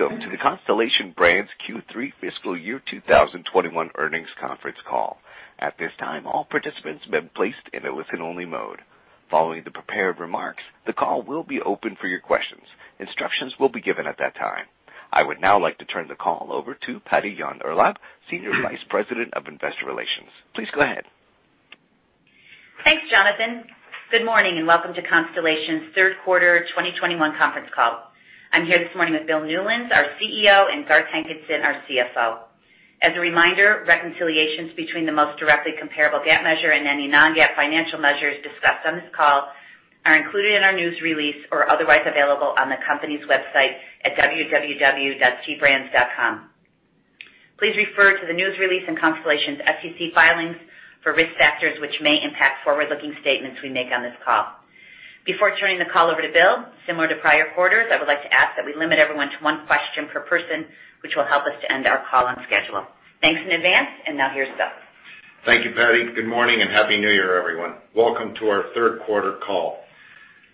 Welcome to the Constellation Brands Q3 Fiscal Year 2021 Earnings Conference Call. At this time, all participants have been placed in a listen-only mode. Following the prepared remarks, the call will be open for your questions. Instructions will be given at that time. I would now like to turn the call over to Patty Yahn-Urlaub, Senior Vice President of Investor Relations. Please go ahead. Thanks, Jonathan. Good morning and welcome to Constellation's third quarter 2021 conference call. I'm here this morning with Bill Newlands, our CEO, and Garth Hankinson, our CFO. As a reminder, reconciliations between the most directly comparable GAAP measure and any non-GAAP financial measures discussed on this call are included in our news release or otherwise available on the company's website at www.cbrands.com. Please refer to the news release and Constellation's SEC filings for risk factors which may impact forward-looking statements we make on this call. Before turning the call over to Bill, similar to prior quarters, I would like to ask that we limit everyone to one question per person, which will help us to end our call on schedule. Thanks in advance, and now here's Bill. Thank you, Patty. Good morning and happy New Year, everyone. Welcome to our third quarter call.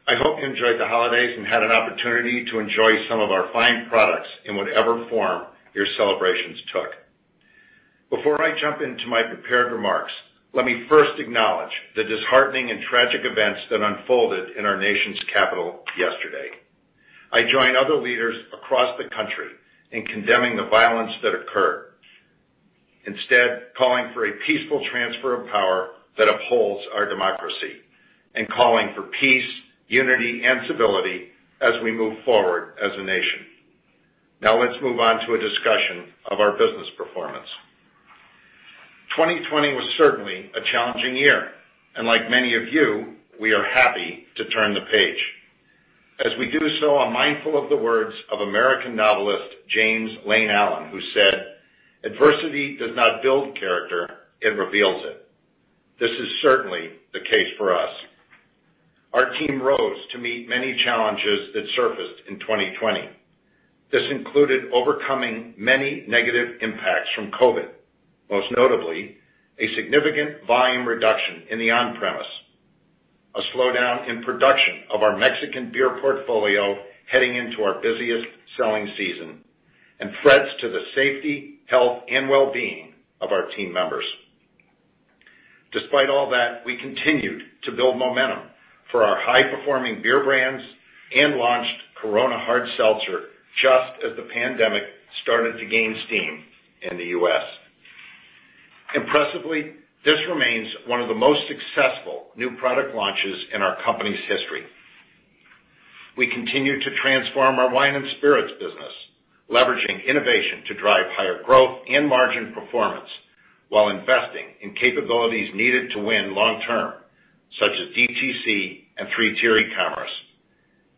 I hope you enjoyed the holidays and had an opportunity to enjoy some of our fine products in whatever form your celebrations took. Before I jump into my prepared remarks, let me first acknowledge the disheartening and tragic events that unfolded in our nation's capital yesterday. I join other leaders across the country in condemning the violence that occurred, instead calling for a peaceful transfer of power that upholds our democracy and calling for peace, unity, and civility as we move forward as a nation. Now let's move on to a discussion of our business performance. 2020 was certainly a challenging year, and like many of you, we are happy to turn the page. As we do so, I'm mindful of the words of American novelist James Lane Allen, who said, "Adversity does not build character. It reveals it." This is certainly the case for us. Our team rose to meet many challenges that surfaced in 2020. This included overcoming many negative impacts from COVID, most notably a significant volume reduction in the on-premise, a slowdown in production of our Mexican beer portfolio heading into our busiest selling season, and threats to the safety, health, and well-being of our team members. Despite all that, we continued to build momentum for our high-performing beer brands and launched Corona Hard Seltzer just as the pandemic started to gain steam in the U.S. Impressively, this remains one of the most successful new product launches in our company's history. We continue to transform our wine and spirits business, leveraging innovation to drive higher growth and margin performance while investing in capabilities needed to win long term, such as DTC and three-tier e-commerce,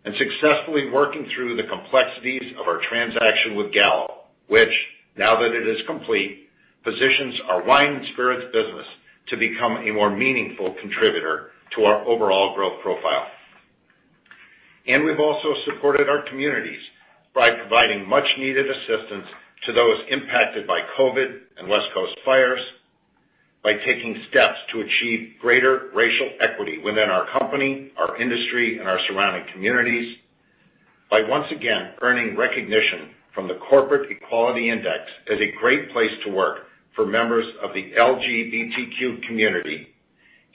and successfully working through the complexities of our transaction with Gallo, which, now that it is complete, positions our wine and spirits business to become a more meaningful contributor to our overall growth profile. We've also supported our communities by providing much needed assistance to those impacted by COVID and West Coast fires, by taking steps to achieve greater racial equity within our company, our industry, and our surrounding communities, by once again earning recognition from the Corporate Equality Index as a great place to work for members of the LGBTQ community,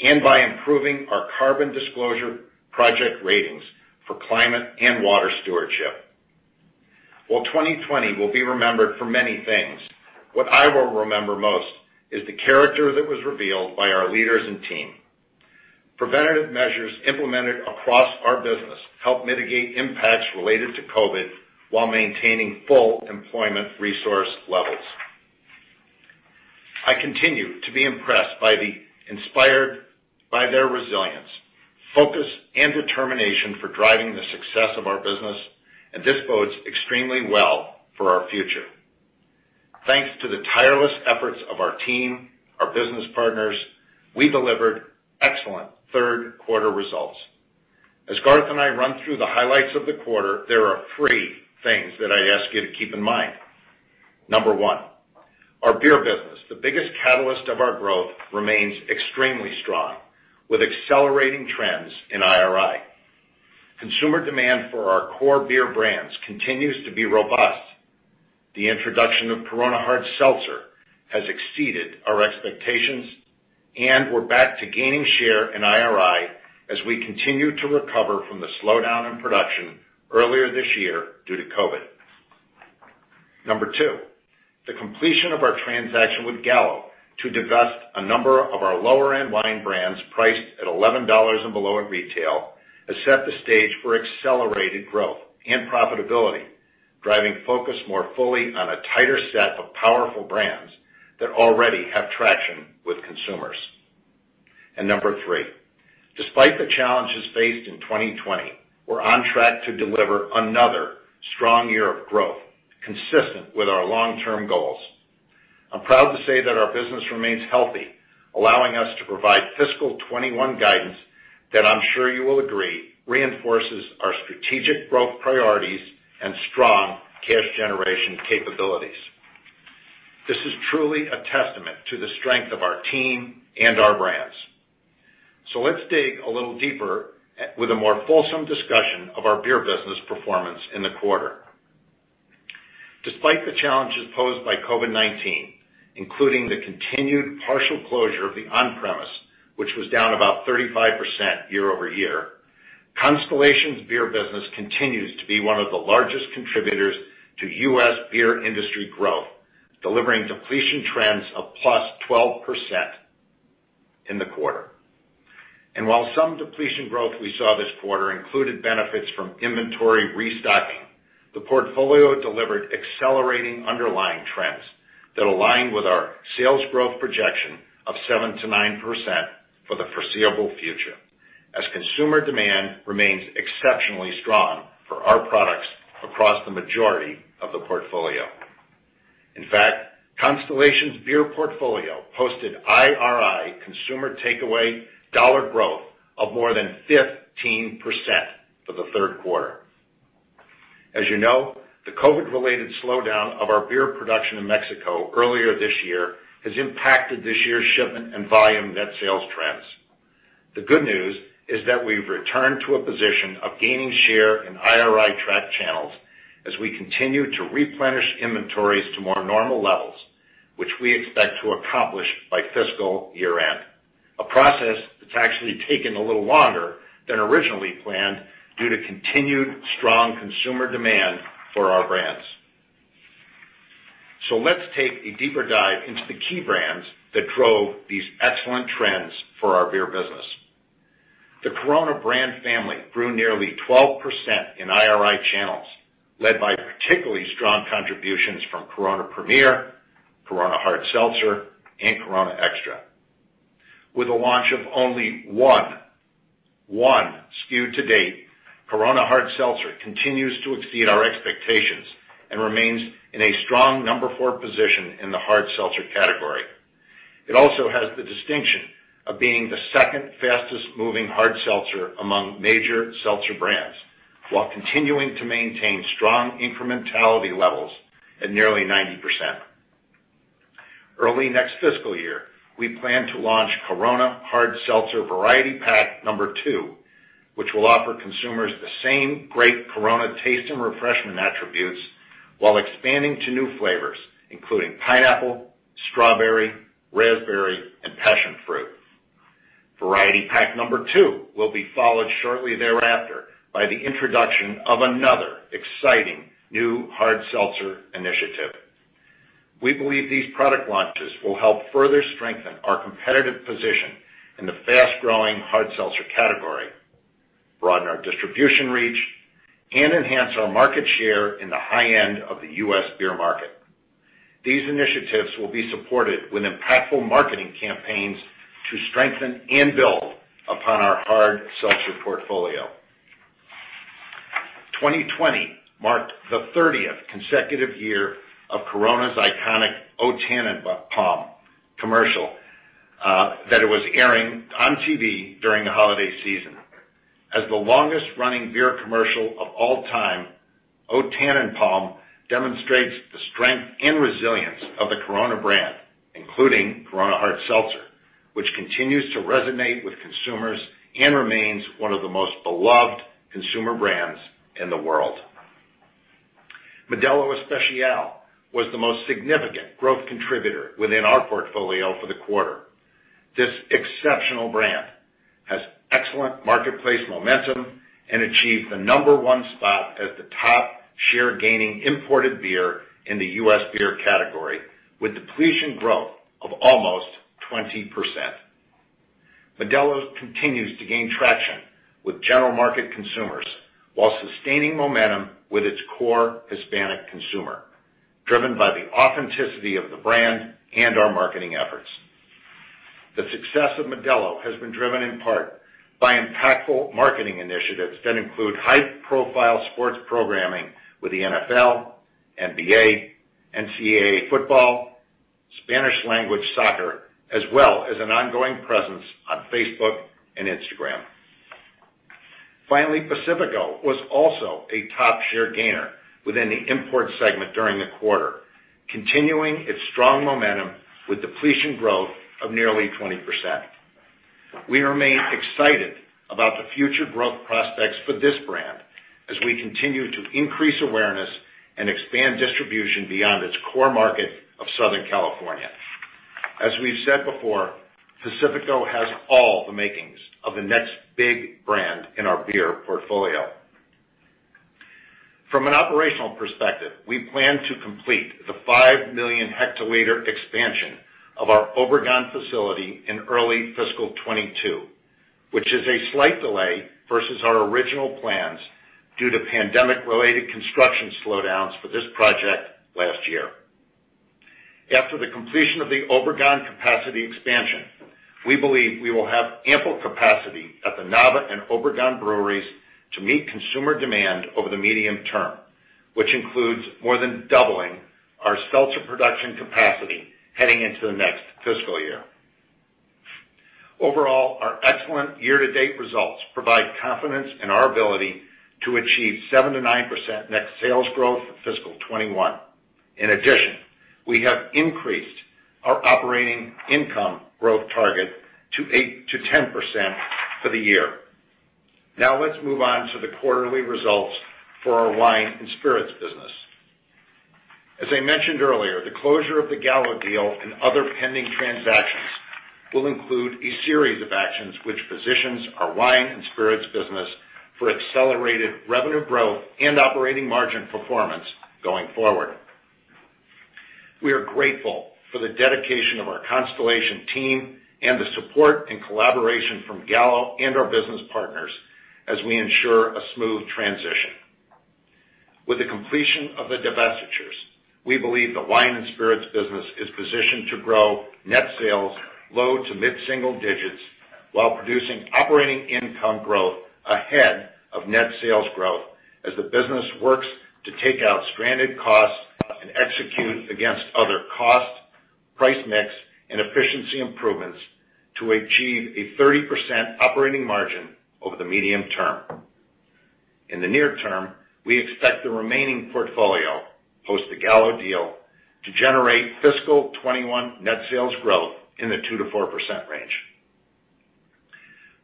and by improving our carbon disclosure project ratings for climate and water stewardship. While 2020 will be remembered for many things, what I will remember most is the character that was revealed by our leaders and team. Preventative measures implemented across our business helped mitigate impacts related to COVID while maintaining full employment resource levels. I continue to be inspired by their resilience, focus, and determination for driving the success of our business, and this bodes extremely well for our future. Thanks to the tireless efforts of our team, our business partners, we delivered excellent third-quarter results. As Garth Hankinson and I run through the highlights of the quarter, there are three things that I ask you to keep in mind. Number one, our beer business, the biggest catalyst of our growth, remains extremely strong with accelerating trends in IRI. Consumer demand for our core beer brands continues to be robust. The introduction of Corona Hard Seltzer has exceeded our expectations, and we're back to gaining share in IRI as we continue to recover from the slowdown in production earlier this year due to COVID. Number 2, the completion of our transaction with Gallo to divest a number of our lower-end wine brands priced at $11 and below at retail has set the stage for accelerated growth and profitability, driving focus more fully on a tighter set of powerful brands that already have traction with consumers. Number 3, despite the challenges faced in 2020, we're on track to deliver another strong year of growth consistent with our long-term goals. I'm proud to say that our business remains healthy, allowing us to provide fiscal 2021 guidance that I'm sure you will agree reinforces our strategic growth priorities and strong cash generation capabilities. This is truly a testament to the strength of our team and our brands. Let's dig a little deeper with a more fulsome discussion of our beer business performance in the quarter. Despite the challenges posed by COVID-19, including the continued partial closure of the on-premise, which was down about 35% year-over-year, Constellation's beer business continues to be one of the largest contributors to U.S. beer industry growth, delivering depletion trends of +12% in the quarter. While some depletion growth we saw this quarter included benefits from inventory restocking, the portfolio delivered accelerating underlying trends that align with our sales growth projection of 7%-9% for the foreseeable future, as consumer demand remains exceptionally strong for our products across the majority of the portfolio. In fact, Constellation's beer portfolio posted IRI consumer takeaway dollar growth of more than 15% for the third quarter. As you know, the COVID-related slowdown of our beer production in Mexico earlier this year has impacted this year's shipment and volume net sales trends. The good news is that we've returned to a position of gaining share in IRI-tracked channels as we continue to replenish inventories to more normal levels, which we expect to accomplish by fiscal year-end, a process that's actually taken a little longer than originally planned due to continued strong consumer demand for our brands. Let's take a deeper dive into the key brands that drove these excellent trends for our beer business. The Corona brand family grew nearly 12% in IRI channels, led by particularly strong contributions from Corona Premier, Corona Hard Seltzer, and Corona Extra. With the launch of only 1 SKU to date, Corona Hard Seltzer continues to exceed our expectations and remains in a strong number four position in the hard seltzer category. It also has the distinction of being the second fastest-moving hard seltzer among major seltzer brands, while continuing to maintain strong incrementality levels at nearly 90%. Early next fiscal year, we plan to launch Corona Hard Seltzer Variety Pack number 2, which will offer consumers the same great Corona taste and refreshment attributes while expanding to new flavors, including pineapple, strawberry, raspberry, and passion fruit. Variety pack number 2 will be followed shortly thereafter by the introduction of another exciting new hard seltzer initiative. We believe these product launches will help further strengthen our competitive position in the fast-growing hard seltzer category, broaden our distribution reach, and enhance our market share in the high end of the U.S. beer market. These initiatives will be supported with impactful marketing campaigns to strengthen and build upon our hard seltzer portfolio. 2020 marked the 30th consecutive year of Corona's iconic "O Tannenbaum" commercial that it was airing on TV during the holiday season. As the longest-running beer commercial of all time, "O Tannenbaum" demonstrates the strength and resilience of the Corona brand, including Corona Hard Seltzer, which continues to resonate with consumers and remains one of the most beloved consumer brands in the world. Modelo Especial was the most significant growth contributor within our portfolio for the quarter. This exceptional brand has excellent marketplace momentum and achieved the number 1 spot as the top share-gaining imported beer in the U.S. beer category, with depletion growth of almost 20%. Modelo continues to gain traction with general market consumers while sustaining momentum with its core Hispanic consumer, driven by the authenticity of the brand and our marketing efforts. The success of Modelo has been driven in part by impactful marketing initiatives that include high-profile sports programming with the NFL, NBA, NCAA football, Spanish language soccer, as well as an ongoing presence on Facebook and Instagram. Finally, Pacifico was also a top share gainer within the import segment during the quarter, continuing its strong momentum with depletion growth of nearly 20%. We remain excited about the future growth prospects for this brand as we continue to increase awareness and expand distribution beyond its core market of Southern California. As we've said before, Pacifico has all the makings of the next big brand in our beer portfolio. From an operational perspective, we plan to complete the 5 million hectoliter expansion of our Obregon facility in early fiscal 2022, which is a slight delay versus our original plans due to pandemic-related construction slowdowns for this project last year. After the completion of the Obregon capacity expansion, we believe we will have ample capacity at the Nava and Obregon breweries to meet consumer demand over the medium term, which includes more than doubling our seltzer production capacity heading into the next fiscal year. Overall, our excellent year-to-date results provide confidence in our ability to achieve 7%-9% net sales growth for fiscal 2021. In addition, we have increased our operating income growth target to 8%-10% for the year. Now let's move on to the quarterly results for our wine and spirits business. As I mentioned earlier, the closure of the Gallo deal and other pending transactions will include a series of actions which positions our wine and spirits business for accelerated revenue growth and operating margin performance going forward. We are grateful for the dedication of our Constellation team and the support and collaboration from Gallo and our business partners as we ensure a smooth transition. With the completion of the divestitures, we believe the wine and spirits business is positioned to grow net sales low to mid-single digits while producing operating income growth ahead of net sales growth as the business works to take out stranded costs and execute against other cost, price mix, and efficiency improvements to achieve a 30% operating margin over the medium term. In the near term, we expect the remaining portfolio, post the Gallo deal, to generate fiscal 2021 net sales growth in the 2%-4% range.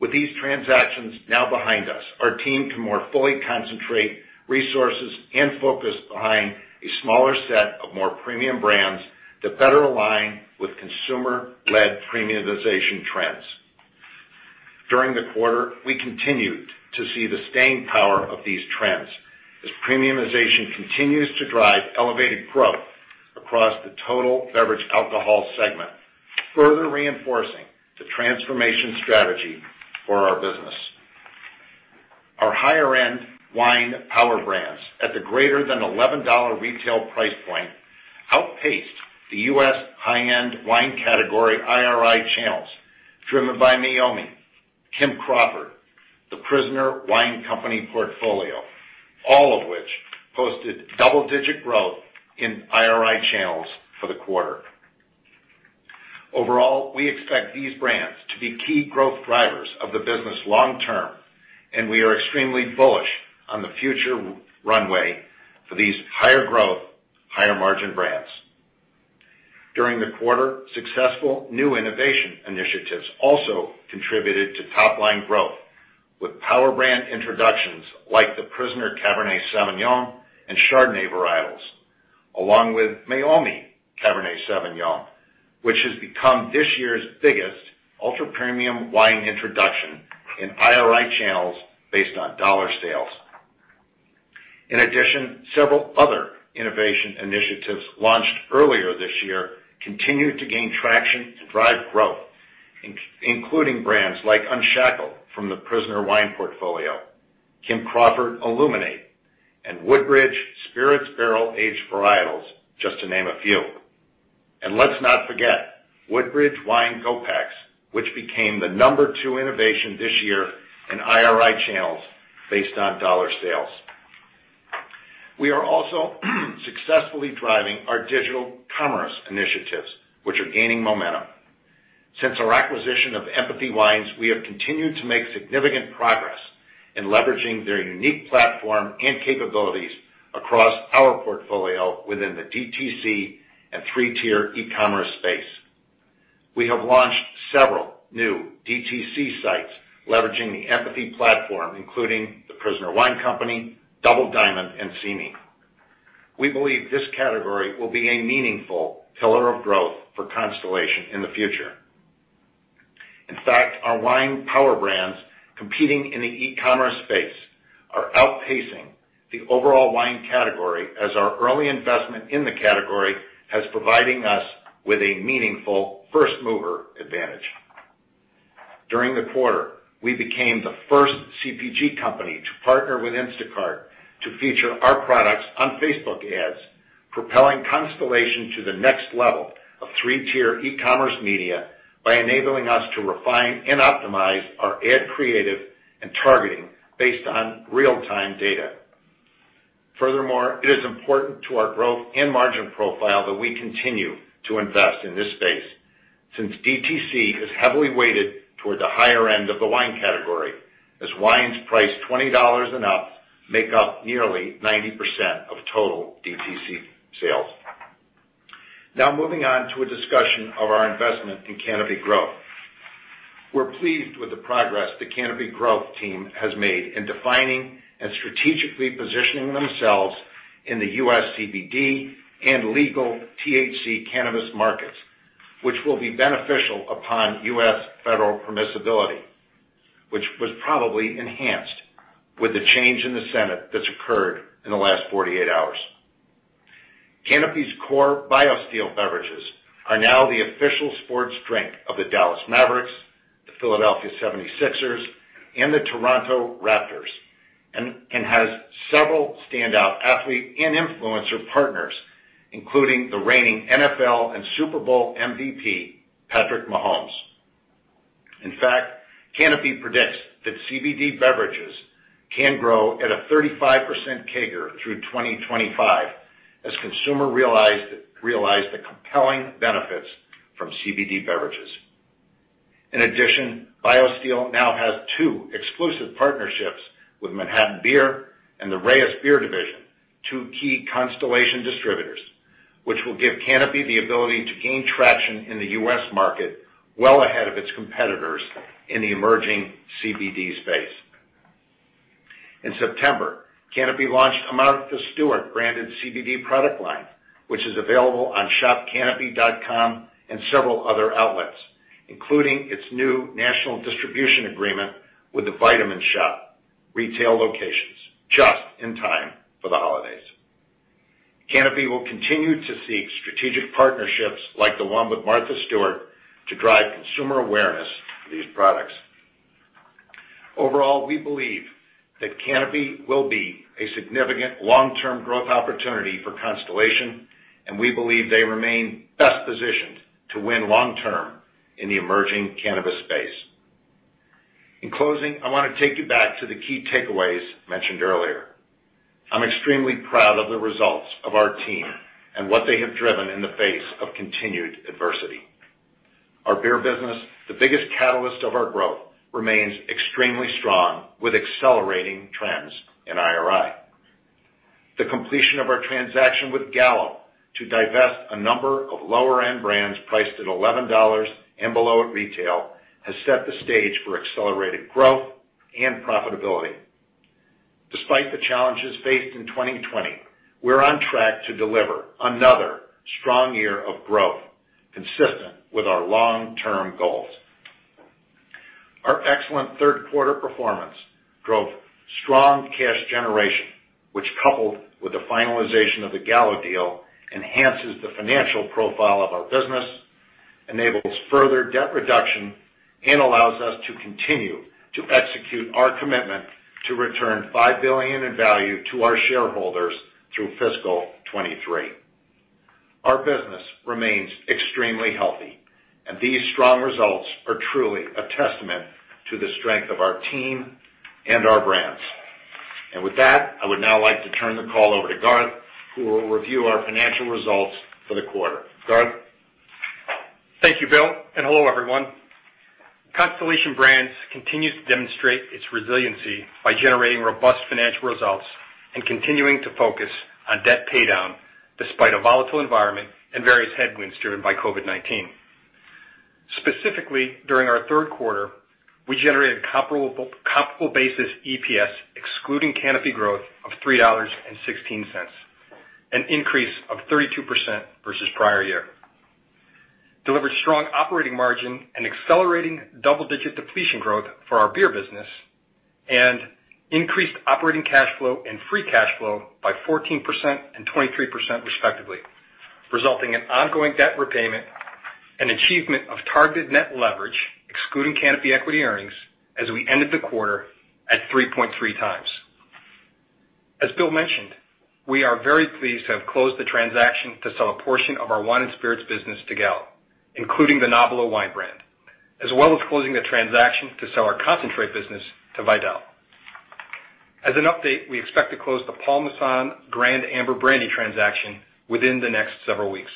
With these transactions now behind us, our team can more fully concentrate resources and focus behind a smaller set of more premium brands that better align with consumer-led premiumization trends. During the quarter, we continued to see the staying power of these trends as premiumization continues to drive elevated growth across the total beverage alcohol segment, further reinforcing the transformation strategy for our business. Our higher-end wine power brands at the greater than $11 retail price point outpaced the U.S. high-end wine category IRI channels, driven by Meiomi, Kim Crawford, The Prisoner Wine Company portfolio, all of which posted double-digit growth in IRI channels for the quarter. Overall, we expect these brands to be key growth drivers of the business long term, and we are extremely bullish on the future runway for these higher growth, higher margin brands. During the quarter, successful new innovation initiatives also contributed to top-line growth with power brand introductions like The Prisoner Cabernet Sauvignon and Chardonnay varietals, along with Meiomi Cabernet Sauvignon, which has become this year's biggest ultra-premium wine introduction in IRI channels based on dollar sales. In addition, several other innovation initiatives launched earlier this year continued to gain traction to drive growth, including brands like Unshackled from The Prisoner Wine Portfolio, Kim Crawford Illuminate, and Woodbridge spirits barrel aged varietals, just to name a few. Let's not forget, Woodbridge Wine Go-Packs, which became the number 2 innovation this year in IRI channels based on dollar sales. We are also successfully driving our digital commerce initiatives, which are gaining momentum. Since our acquisition of Empathy Wines, we have continued to make significant progress in leveraging their unique platform and capabilities across our portfolio within the DTC and three-tier e-commerce space. We have launched several new DTC sites leveraging the Empathy platform, including The Prisoner Wine Company, Double Diamond, and SIMI. We believe this category will be a meaningful pillar of growth for Constellation in the future. In fact, our wine power brands competing in the e-commerce space are outpacing the overall wine category as our early investment in the category has providing us with a meaningful first-mover advantage. During the quarter, we became the first CPG company to partner with Instacart to feature our products on Facebook ads, propelling Constellation to the next level of 3-tier e-commerce media by enabling us to refine and optimize our ad creative and targeting based on real-time data. Furthermore, it is important to our growth and margin profile that we continue to invest in this space, since DTC is heavily weighted toward the higher end of the wine category, as wines priced $20 and up make up nearly 90% of total DTC sales. Now moving on to a discussion of our investment in Canopy Growth. We're pleased with the progress the Canopy Growth team has made in defining and strategically positioning themselves in the U.S. CBD and legal THC cannabis markets, which will be beneficial upon U.S. federal permissibility, which was probably enhanced with the change in the Senate that's occurred in the last 48 hours. Canopy's core BioSteel beverages are now the official sports drink of the Dallas Mavericks, the Philadelphia 76ers, and the Toronto Raptors, and has several standout athlete and influencer partners, including the reigning NFL and Super Bowl MVP, Patrick Mahomes. In fact, Canopy predicts that CBD beverages can grow at a 35% CAGR through 2025 as consumer realize the compelling benefits from CBD beverages. In addition, BioSteel now has two exclusive partnerships with Manhattan Beer and the Reyes Beer Division, two key Constellation distributors, which will give Canopy the ability to gain traction in the U.S. market well ahead of its competitors in the emerging CBD space. In September, Canopy launched a Martha Stewart branded CBD product line, which is available on shopcanopy.com and several other outlets, including its new national distribution agreement with The Vitamin Shoppe retail locations, just in time for the holidays. Canopy will continue to seek strategic partnerships, like the one with Martha Stewart, to drive consumer awareness for these products. Overall, we believe that Canopy will be a significant long-term growth opportunity for Constellation, and we believe they remain best positioned to win long-term in the emerging cannabis space. In closing, I want to take you back to the key takeaways mentioned earlier. I'm extremely proud of the results of our team and what they have driven in the face of continued adversity. Our beer business, the biggest catalyst of our growth, remains extremely strong with accelerating trends in IRI. The completion of our transaction with Gallo to divest a number of lower-end brands priced at $11 and below at retail has set the stage for accelerated growth and profitability. Despite the challenges faced in 2020, we're on track to deliver another strong year of growth consistent with our long-term goals. Our excellent third quarter performance drove strong cash generation, which, coupled with the finalization of the Gallo deal, enhances the financial profile of our business, enables further debt reduction, and allows us to continue to execute our commitment to return $5 billion in value to our shareholders through fiscal 2023. Our business remains extremely healthy, and these strong results are truly a testament to the strength of our team and our brands. With that, I would now like to turn the call over to Garth, who will review our financial results for the quarter. Garth? Thank you, Bill, and hello, everyone. Constellation Brands continues to demonstrate its resiliency by generating robust financial results and continuing to focus on debt paydown despite a volatile environment and various headwinds driven by COVID-19. Specifically, during our third quarter, we generated comparable basis EPS excluding Canopy Growth of $3.16, an increase of 32% versus prior year, delivered strong operating margin and accelerating double-digit depletion growth for our beer business, and increased operating cash flow and free cash flow by 14% and 23% respectively, resulting in ongoing debt repayment and achievement of targeted net leverage, excluding Canopy equity earnings, as we ended the quarter at 3.3 times. As Bill mentioned, we are very pleased to have closed the transaction to sell a portion of our wine and spirits business to Gallo, including the Nobilo Wine brand, as well as closing the transaction to sell our concentrate business to Vie-Del. As an update, we expect to close the Paul Masson Grande Amber Brandy transaction within the next several weeks.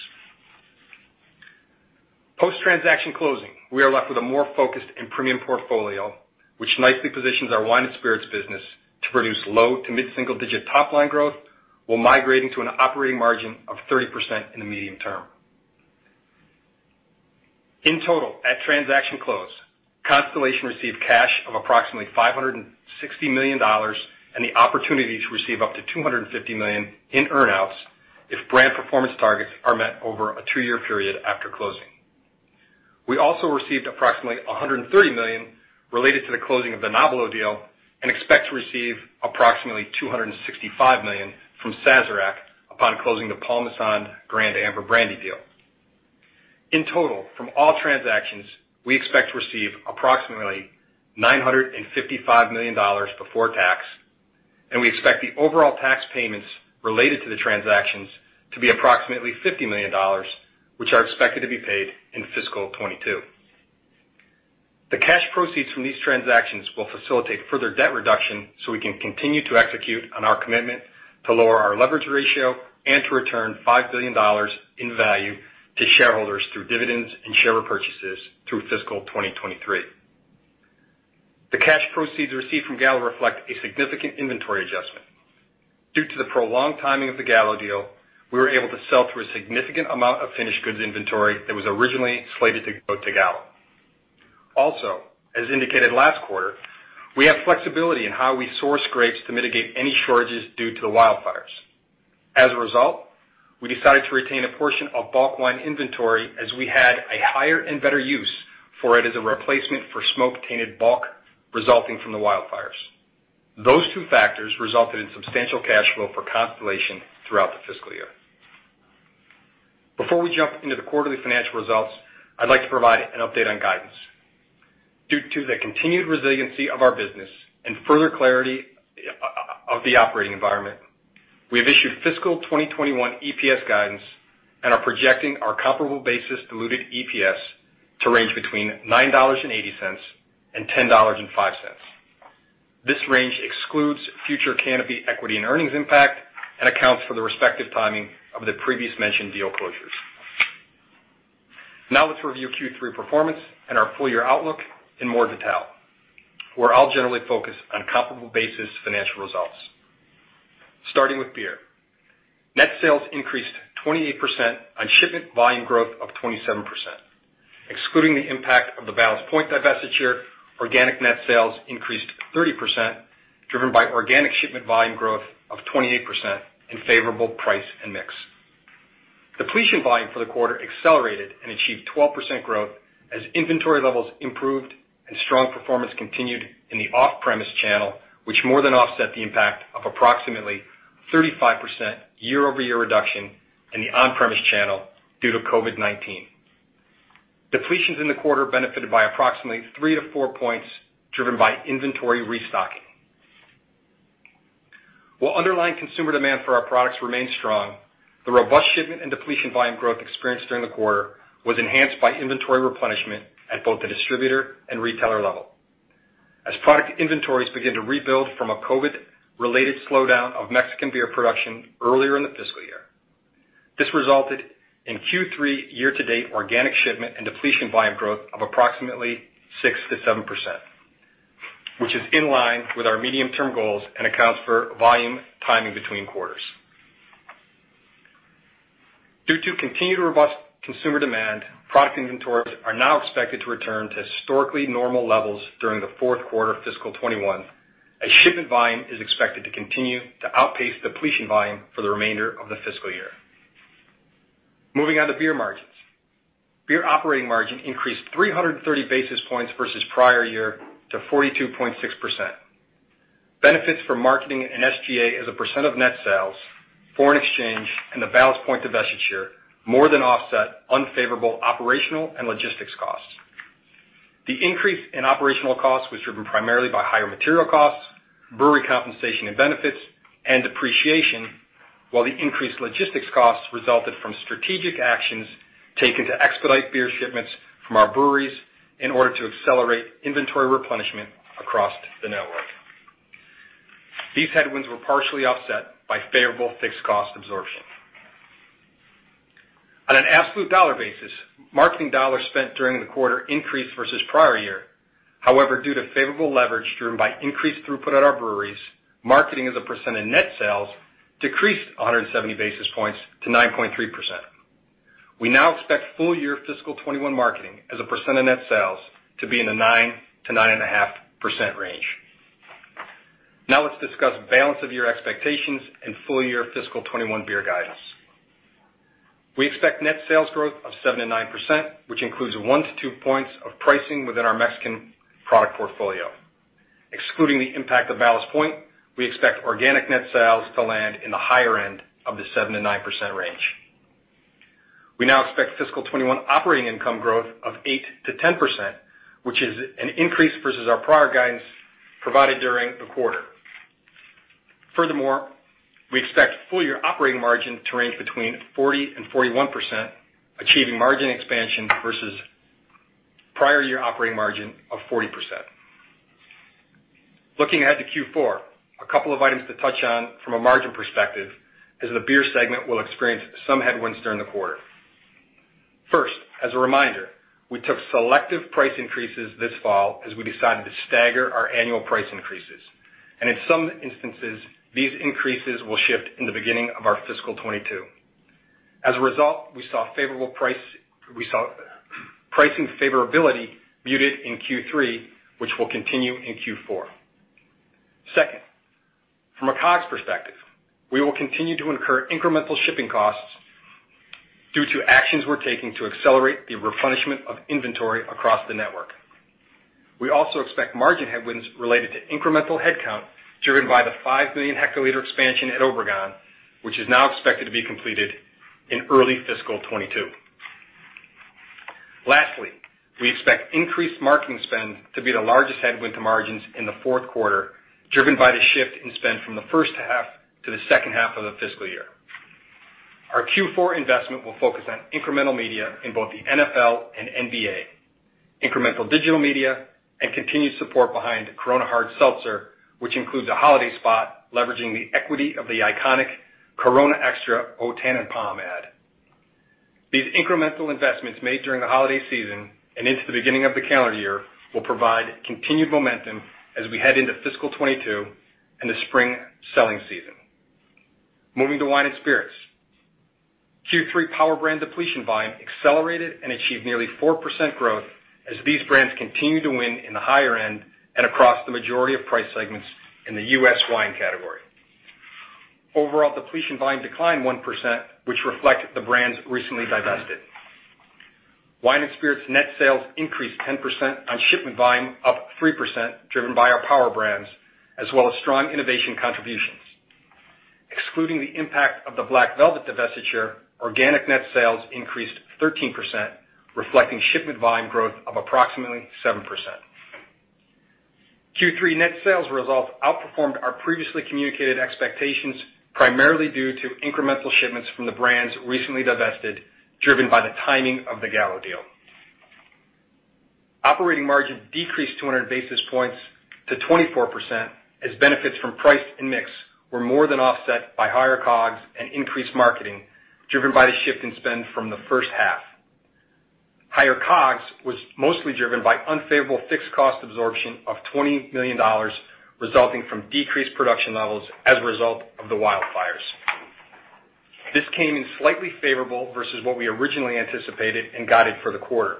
Post-transaction closing, we are left with a more focused and premium portfolio, which nicely positions our wine and spirits business to produce low to mid-single digit top-line growth while migrating to an operating margin of 30% in the medium term. In total, at transaction close, Constellation received cash of approximately $560 million and the opportunity to receive up to $250 million in earn-outs if brand performance targets are met over a two-year period after closing. We also received approximately $130 million related to the closing of the Nobilo deal and expect to receive approximately $265 million from Sazerac upon closing the Paul Masson Grande Amber Brandy deal. In total, from all transactions, we expect to receive approximately $955 million before tax. We expect the overall tax payments related to the transactions to be approximately $50 million, which are expected to be paid in fiscal 2022. The cash proceeds from these transactions will facilitate further debt reduction so we can continue to execute on our commitment to lower our leverage ratio and to return $5 billion in value to shareholders through dividends and share repurchases through fiscal 2023. The cash proceeds received from Gallo reflect a significant inventory adjustment. Due to the prolonged timing of the Gallo deal, we were able to sell through a significant amount of finished goods inventory that was originally slated to go to Gallo. As indicated last quarter, we have flexibility in how we source grapes to mitigate any shortages due to the wildfires. As a result, we decided to retain a portion of bulk wine inventory as we had a higher and better use for it as a replacement for smoke-tainted bulk resulting from the wildfires. Those two factors resulted in substantial cash flow for Constellation throughout the fiscal year. Before we jump into the quarterly financial results, I'd like to provide an update on guidance. Due to the continued resiliency of our business and further clarity on the operating environment. We have issued fiscal 2021 EPS guidance and are projecting our comparable basis diluted EPS to range between $9.80 and $10.05. This range excludes future Canopy equity and earnings impact and accounts for the respective timing of the previous mentioned deal closures. Now let's review Q3 performance and our full year outlook in more detail, where I'll generally focus on comparable basis financial results. Starting with beer. Net sales increased 28% on shipment volume growth of 27%. Excluding the impact of the Ballast Point divestiture, organic net sales increased 30%, driven by organic shipment volume growth of 28% in favorable price and mix. Depletion volume for the quarter accelerated and achieved 12% growth as inventory levels improved and strong performance continued in the off-premise channel, which more than offset the impact of approximately 35% year-over-year reduction in the on-premise channel due to COVID-19. Depletions in the quarter benefited by approximately three to four points, driven by inventory restocking. While underlying consumer demand for our products remained strong, the robust shipment and depletion volume growth experienced during the quarter was enhanced by inventory replenishment at both the distributor and retailer level, as product inventories begin to rebuild from a COVID-19 related slowdown of Mexican beer production earlier in the fiscal year. This resulted in Q3 year-to-date organic shipment and depletion volume growth of approximately 6%-7%, which is in line with our medium-term goals and accounts for volume timing between quarters. Due to continued robust consumer demand, product inventories are now expected to return to historically normal levels during the fourth quarter of fiscal 2021, as shipment volume is expected to continue to outpace depletion volume for the remainder of the fiscal year. Moving on to beer margins. Beer operating margin increased 330 basis points versus prior year to 42.6%. Benefits for marketing and SG&A as a % of net sales, foreign exchange, and the Ballast Point divestiture more than offset unfavorable operational and logistics costs. The increase in operational costs was driven primarily by higher material costs, brewery compensation and benefits, and depreciation, while the increased logistics costs resulted from strategic actions taken to expedite beer shipments from our breweries in order to accelerate inventory replenishment across the network. These headwinds were partially offset by favorable fixed cost absorption. On an absolute dollar basis, marketing dollars spent during the quarter increased versus prior year. However, due to favorable leverage driven by increased throughput at our breweries, marketing as a percent of net sales decreased 170 basis points to 9.3%. We now expect full year fiscal 2021 marketing as a percent of net sales to be in the 9%-9.5% range. Now let's discuss balance of year expectations and full year fiscal 2021 beer guidance. We expect net sales growth of 7%-9%, which includes one-two points of pricing within our Mexican product portfolio. Excluding the impact of Ballast Point, we expect organic net sales to land in the higher end of the 7%-9% range. We now expect fiscal 2021 operating income growth of 8%-10%, which is an increase versus our prior guidance provided during the quarter. Furthermore, we expect full year operating margin to range between 40% and 41%, achieving margin expansion versus prior year operating margin of 40%. Looking ahead to Q4, a couple of items to touch on from a margin perspective, as the beer segment will experience some headwinds during the quarter. First, as a reminder, we took selective price increases this fall as we decided to stagger our annual price increases, and in some instances, these increases will shift in the beginning of our fiscal 2022. As a result, we saw pricing favorability muted in Q3, which will continue in Q4. Second, from a COGS perspective, we will continue to incur incremental shipping costs due to actions we're taking to accelerate the replenishment of inventory across the network. We also expect margin headwinds related to incremental headcount driven by the 5 million hectoliter expansion at Obregon, which is now expected to be completed in early fiscal 2022. Lastly, we expect increased marketing spend to be the largest headwind to margins in the fourth quarter, driven by the shift in spend from the first half to the second half of the fiscal year. Our Q4 investment will focus on incremental media in both the NFL and NBA, incremental digital media, and continued support behind Corona Hard Seltzer, which includes a holiday spot leveraging the equity of the iconic Corona Extra O Tannenbaum ad. These incremental investments made during the holiday season and into the beginning of the calendar year will provide continued momentum as we head into fiscal 2022 and the spring selling season. Moving to wine and spirits. Q3 power brand depletion volume accelerated and achieved nearly 4% growth as these brands continue to win in the higher end and across the majority of price segments in the U.S. wine category. Overall depletion volume declined 1%, which reflect the brands recently divested. Wine and spirits net sales increased 10% on shipment volume up 3%, driven by our power brands, as well as strong innovation contributions. Excluding the impact of the Black Velvet divestiture, organic net sales increased 13%, reflecting shipment volume growth of approximately 7%. Q3 net sales results outperformed our previously communicated expectations, primarily due to incremental shipments from the brands recently divested, driven by the timing of the Gallo deal. Operating margin decreased 200 basis points to 24%, as benefits from price and mix were more than offset by higher COGS and increased marketing, driven by the shift in spend from the first half. Higher COGS was mostly driven by unfavorable fixed cost absorption of $20 million, resulting from decreased production levels as a result of the wildfires. This came in slightly favorable versus what we originally anticipated and guided for the quarter.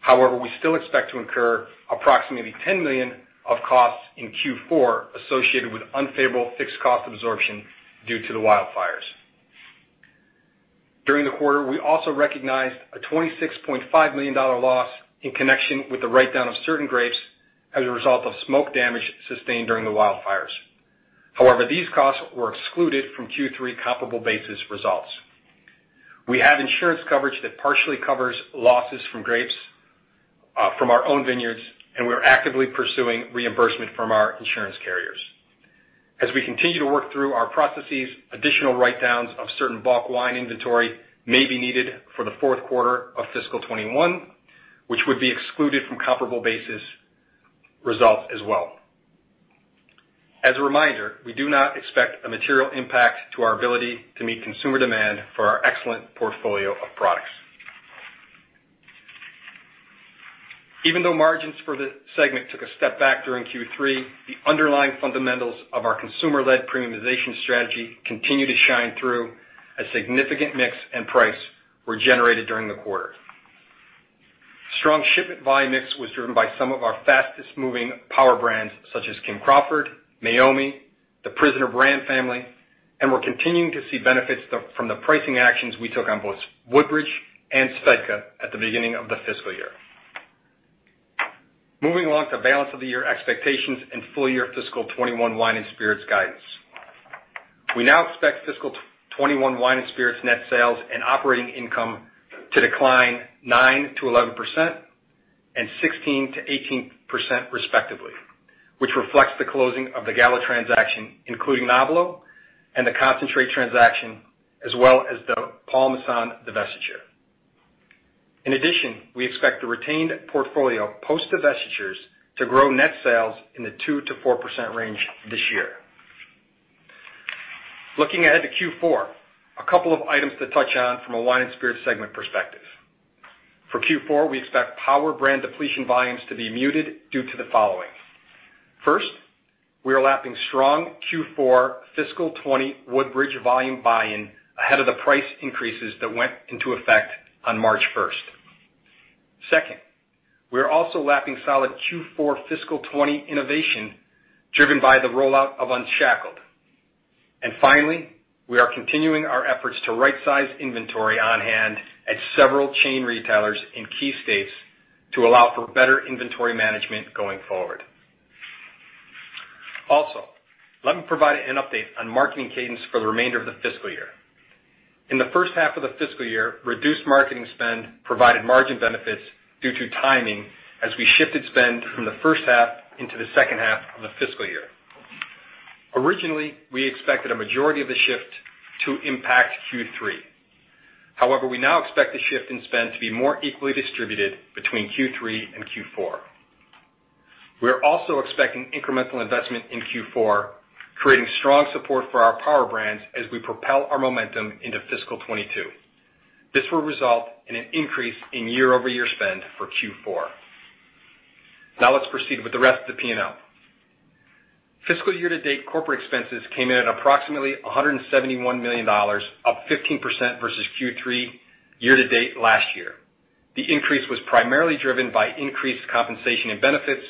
However, we still expect to incur approximately $10 million of costs in Q4 associated with unfavorable fixed cost absorption due to the wildfires. During the quarter, we also recognized a $26.5 million loss in connection with the write-down of certain grapes as a result of smoke damage sustained during the wildfires. However, these costs were excluded from Q3 comparable basis results. We have insurance coverage that partially covers losses from grapes, from our own vineyards, and we're actively pursuing reimbursement from our insurance carriers. As we continue to work through our processes, additional write-downs of certain bulk wine inventory may be needed for the fourth quarter of fiscal 2021, which would be excluded from comparable basis results as well. As a reminder, we do not expect a material impact to our ability to meet consumer demand for our excellent portfolio of products. Even though margins for the segment took a step back during Q3, the underlying fundamentals of our consumer-led premiumization strategy continue to shine through as significant mix and price were generated during the quarter. Strong shipment volume mix was driven by some of our fastest-moving power brands such as Kim Crawford, Meiomi, The Prisoner brand family, and we're continuing to see benefits from the pricing actions we took on both Woodbridge and Svedka at the beginning of the fiscal year. Moving along to balance of the year expectations and full year fiscal 2021 wine and spirits guidance. We now expect fiscal 2021 wine and spirits net sales and operating income to decline 9%-11% and 16%-18%, respectively, which reflects the closing of the Gallo transaction, including Nobilo, and the concentrate transaction, as well as the Paul Masson divestiture. In addition, we expect the retained portfolio post divestitures to grow net sales in the 2%-4% range this year. Looking ahead to Q4, a couple of items to touch on from a wine and spirits segment perspective. For Q4, we expect power brand depletion volumes to be muted due to the following. First, we are lapping strong Q4 fiscal 2020 Woodbridge volume buy-in ahead of the price increases that went into effect on March 1st. Second, we are also lapping solid Q4 fiscal 2020 innovation, driven by the rollout of Unshackled. Finally, we are continuing our efforts to right size inventory on hand at several chain retailers in key states to allow for better inventory management going forward. Let me provide an update on marketing cadence for the remainder of the fiscal year. In the first half of the fiscal year, reduced marketing spend provided margin benefits due to timing, as we shifted spend from the first half into the second half of the fiscal year. Originally, we expected a majority of the shift to impact Q3. However, we now expect the shift in spend to be more equally distributed between Q3 and Q4. We're also expecting incremental investment in Q4, creating strong support for our power brands as we propel our momentum into fiscal 2022. This will result in an increase in year-over-year spend for Q4. Let's proceed with the rest of the P&L. Fiscal year-to-date, corporate expenses came in at approximately $171 million, up 15% versus Q3 year-to-date last year. The increase was primarily driven by increased compensation and benefits,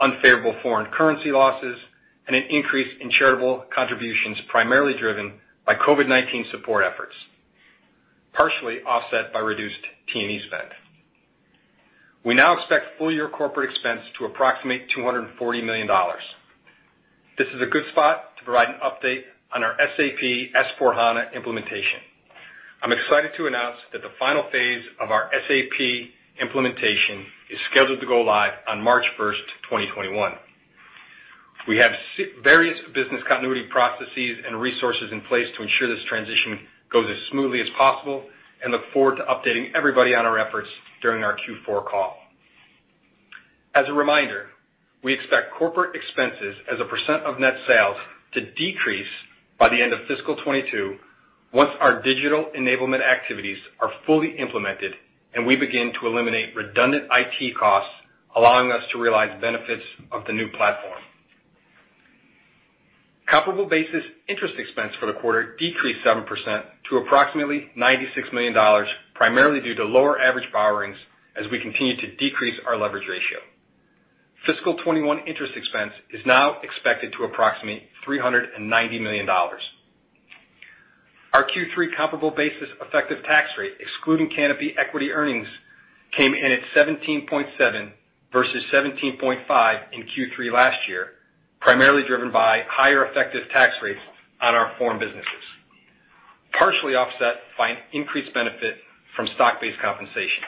unfavorable foreign currency losses, and an increase in charitable contributions, primarily driven by COVID-19 support efforts, partially offset by reduced T&E spend. We now expect full year corporate expense to approximate $240 million. This is a good spot to provide an update on our SAP S/4HANA implementation. I'm excited to announce that the final phase of our SAP implementation is scheduled to go live on March 1st, 2021. We have various business continuity processes and resources in place to ensure this transition goes as smoothly as possible and look forward to updating everybody on our efforts during our Q4 call. As a reminder, we expect corporate expenses as a % of net sales to decrease by the end of fiscal 2022, once our digital enablement activities are fully implemented and we begin to eliminate redundant IT costs, allowing us to realize benefits of the new platform. Comparable basis interest expense for the quarter decreased 7% to approximately $96 million, primarily due to lower average borrowings as we continue to decrease our leverage ratio. Fiscal 2021 interest expense is now expected to approximate $390 million. Our Q3 comparable basis effective tax rate, excluding Canopy equity earnings, came in at 17.7% versus 17.5% in Q3 last year, primarily driven by higher effective tax rates on our foreign businesses, partially offset by an increased benefit from stock-based compensation.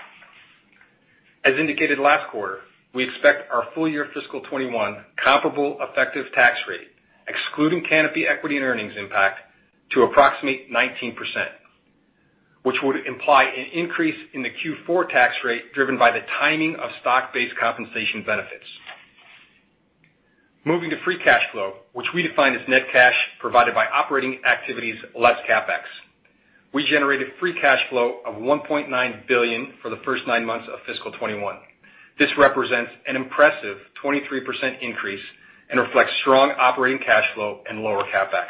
As indicated last quarter, we expect our full year fiscal 2021 comparable effective tax rate, excluding Canopy equity and earnings impact, to approximate 19%, which would imply an increase in the Q4 tax rate driven by the timing of stock-based compensation benefits. Moving to free cash flow, which we define as net cash provided by operating activities less CapEx. We generated free cash flow of $1.9 billion for the first nine months of fiscal 2021. This represents an impressive 23% increase and reflects strong operating cash flow and lower CapEx.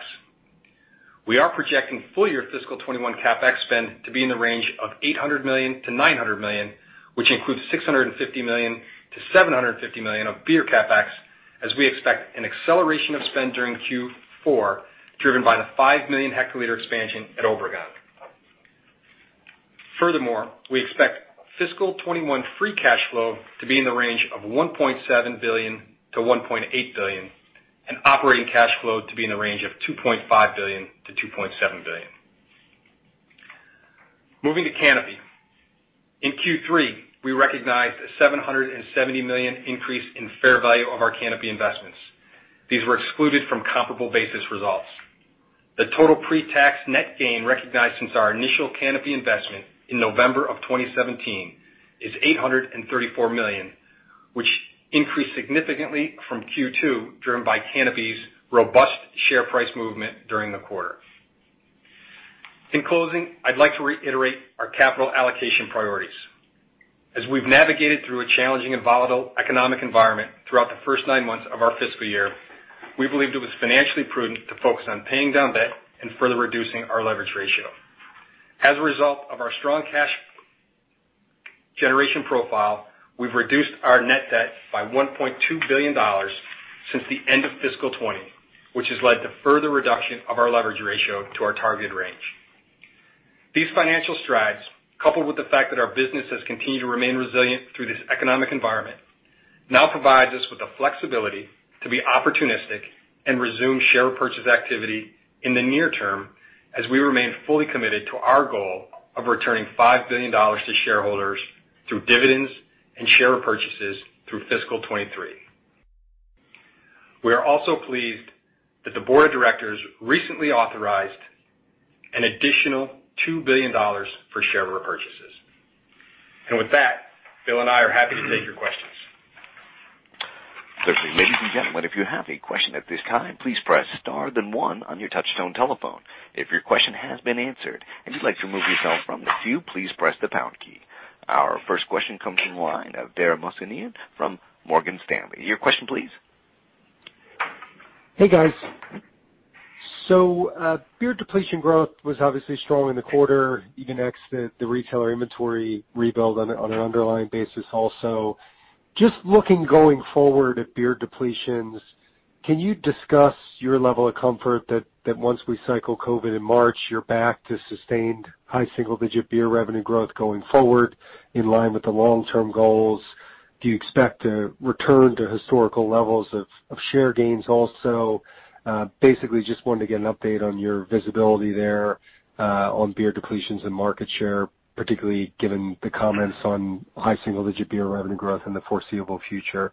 We are projecting full year fiscal 2021 CapEx spend to be in the range of $800 million-$900 million, which includes $650 million-$750 million of beer CapEx, as we expect an acceleration of spend during Q4, driven by the 5 million hectoliter expansion at Obregon. We expect fiscal 2021 free cash flow to be in the range of $1.7 billion-$1.8 billion and operating cash flow to be in the range of $2.5 billion-$2.7 billion. Moving to Canopy. In Q3, we recognized a $770 million increase in fair value of our Canopy investments. These were excluded from comparable basis results. The total pre-tax net gain recognized since our initial Canopy investment in November 2017 is $834 million, which increased significantly from Q2, driven by Canopy's robust share price movement during the quarter. I'd like to reiterate our capital allocation priorities. As we've navigated through a challenging and volatile economic environment throughout the first nine months of our fiscal year, we believed it was financially prudent to focus on paying down debt and further reducing our leverage ratio. As a result of our strong cash generation profile, we've reduced our net debt by $1.2 billion since the end of fiscal 2020, which has led to further reduction of our leverage ratio to our targeted range. These financial strides, coupled with the fact that our business has continued to remain resilient through this economic environment, now provides us with the flexibility to be opportunistic and resume share purchase activity in the near term, as we remain fully committed to our goal of returning $5 billion to shareholders through dividends and share purchases through fiscal 2023. We are also pleased that the board of directors recently authorized an additional $2 billion for share repurchases. With that, Bill and I are happy to take your questions. Ladies and gentlemen if you have a question at this time please press star then one on your touch tone telephone. If your question has been answered and you like to remove yourself from the queue please press the pound key. Our first question comes from the line of Dara Mohsenian from Morgan Stanley. Your question, please. Hey, guys. Beer depletion growth was obviously strong in the quarter, even ex the retailer inventory rebuild on an underlying basis also. Just looking going forward at beer depletions, can you discuss your level of comfort that, once we cycle COVID in March, you're back to sustained high single-digit beer revenue growth going forward in line with the long-term goals? Do you expect a return to historical levels of share gains also? Basically, just wanted to get an update on your visibility there on beer depletions and market share, particularly given the comments on high single-digit beer revenue growth in the foreseeable future.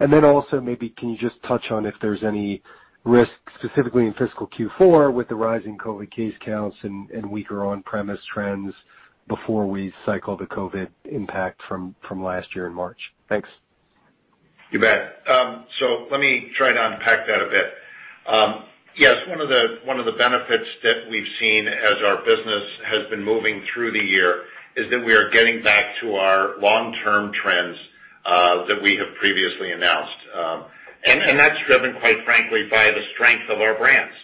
Can you just touch on if there's any risk specifically in fiscal Q4 with the rising COVID case counts and weaker on-premise trends before we cycle the COVID impact from last year in March? Thanks. You bet. Let me try to unpack that a bit. Yes, one of the benefits that we've seen as our business has been moving through the year is that we are getting back to our long-term trends that we have previously announced. That's driven, quite frankly, by the strength of our brands.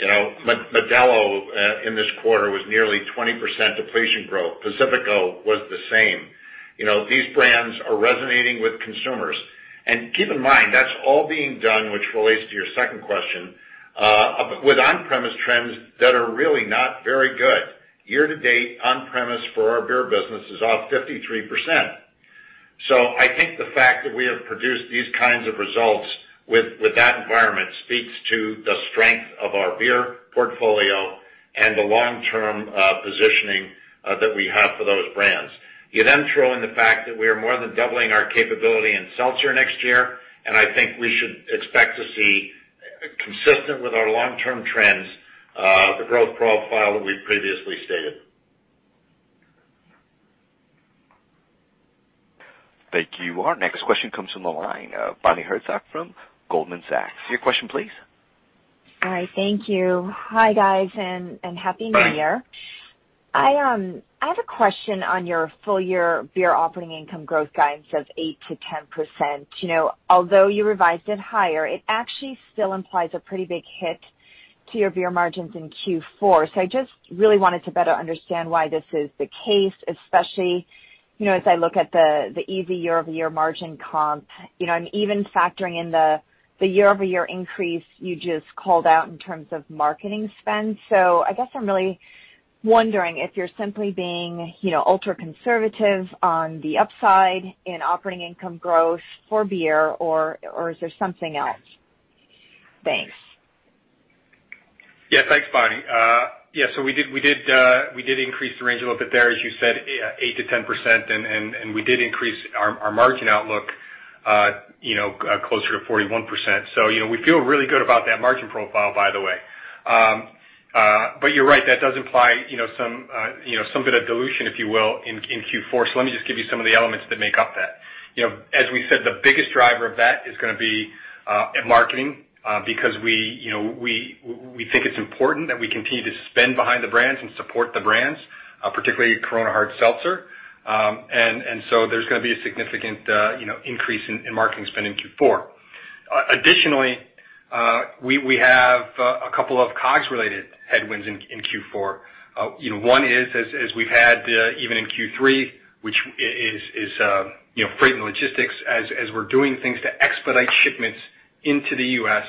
Modelo, in this quarter, was nearly 20% depletion growth. Pacifico was the same. These brands are resonating with consumers. Keep in mind, that's all being done, which relates to your second question, with on-premise trends that are really not very good. Year to date, on-premise for our beer business is off 53%. I think the fact that we have produced these kinds of results with that environment speaks to the strength of our beer portfolio and the long-term positioning that we have for those brands. You throw in the fact that we are more than doubling our capability in seltzer next year, and I think we should expect to see, consistent with our long-term trends, the growth profile that we've previously stated. Thank you. Our next question comes from the line of Bonnie Herzog from Goldman Sachs. Your question, please. Hi, thank you. Hi, guys. Happy New Year. I have a question on your full-year beer operating income growth guidance of 8% to 10%. Although you revised it higher, it actually still implies a pretty big hit to your beer margins in Q4. I just really wanted to better understand why this is the case, especially as I look at the easy year-over-year margin comp, I'm even factoring in the year-over-year increase you just called out in terms of marketing spend. I guess I'm really wondering if you're simply being ultra-conservative on the upside in operating income growth for beer, or is there something else? Thanks. Thanks, Bonnie. We did increase the range a little bit there, as you said, 8%-10%, and we did increase our margin outlook closer to 41%. We feel really good about that margin profile, by the way. You're right, that does imply some bit of dilution, if you will, in Q4. Let me just give you some of the elements that make up that. As we said, the biggest driver of that is going to be marketing, because we think it's important that we continue to spend behind the brands and support the brands, particularly Corona Hard Seltzer. There's going to be a significant increase in marketing spend in Q4. Additionally, we have a couple of COGS related headwinds in Q4. One is as we've had even in Q3, which is freight and logistics, as we're doing things to expedite shipments into the U.S.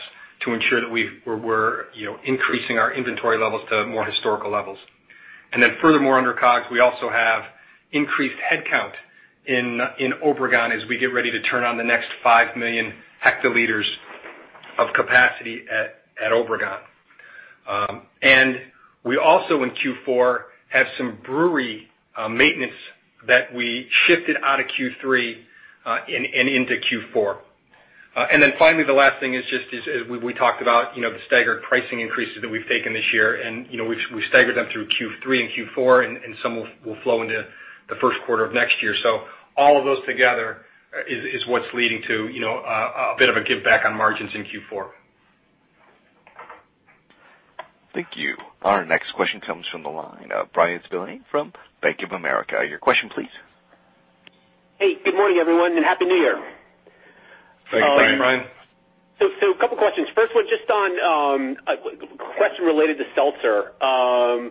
to ensure that we're increasing our inventory levels to more historical levels. Furthermore, under COGS, we also have increased headcount in Obregon as we get ready to turn on the next 5 million hectoliters of capacity at Obregon. We also in Q4, have some brewery maintenance that we shifted out of Q3 and into Q4. Finally, the last thing is just we talked about the staggered pricing increases that we've taken this year, and we've staggered them through Q3 and Q4, and some will flow into the first quarter of next year. All of those together is what's leading to a bit of a giveback on margins in Q4. Thank you. Our next question comes from the line of Bryan Spillane from Bank of America. Your question, please. Hey. Good morning, everyone, and Happy New Year. Thank you, Bryan. You're welcome, Bryan. A couple questions. First one, just on a question related to seltzer. I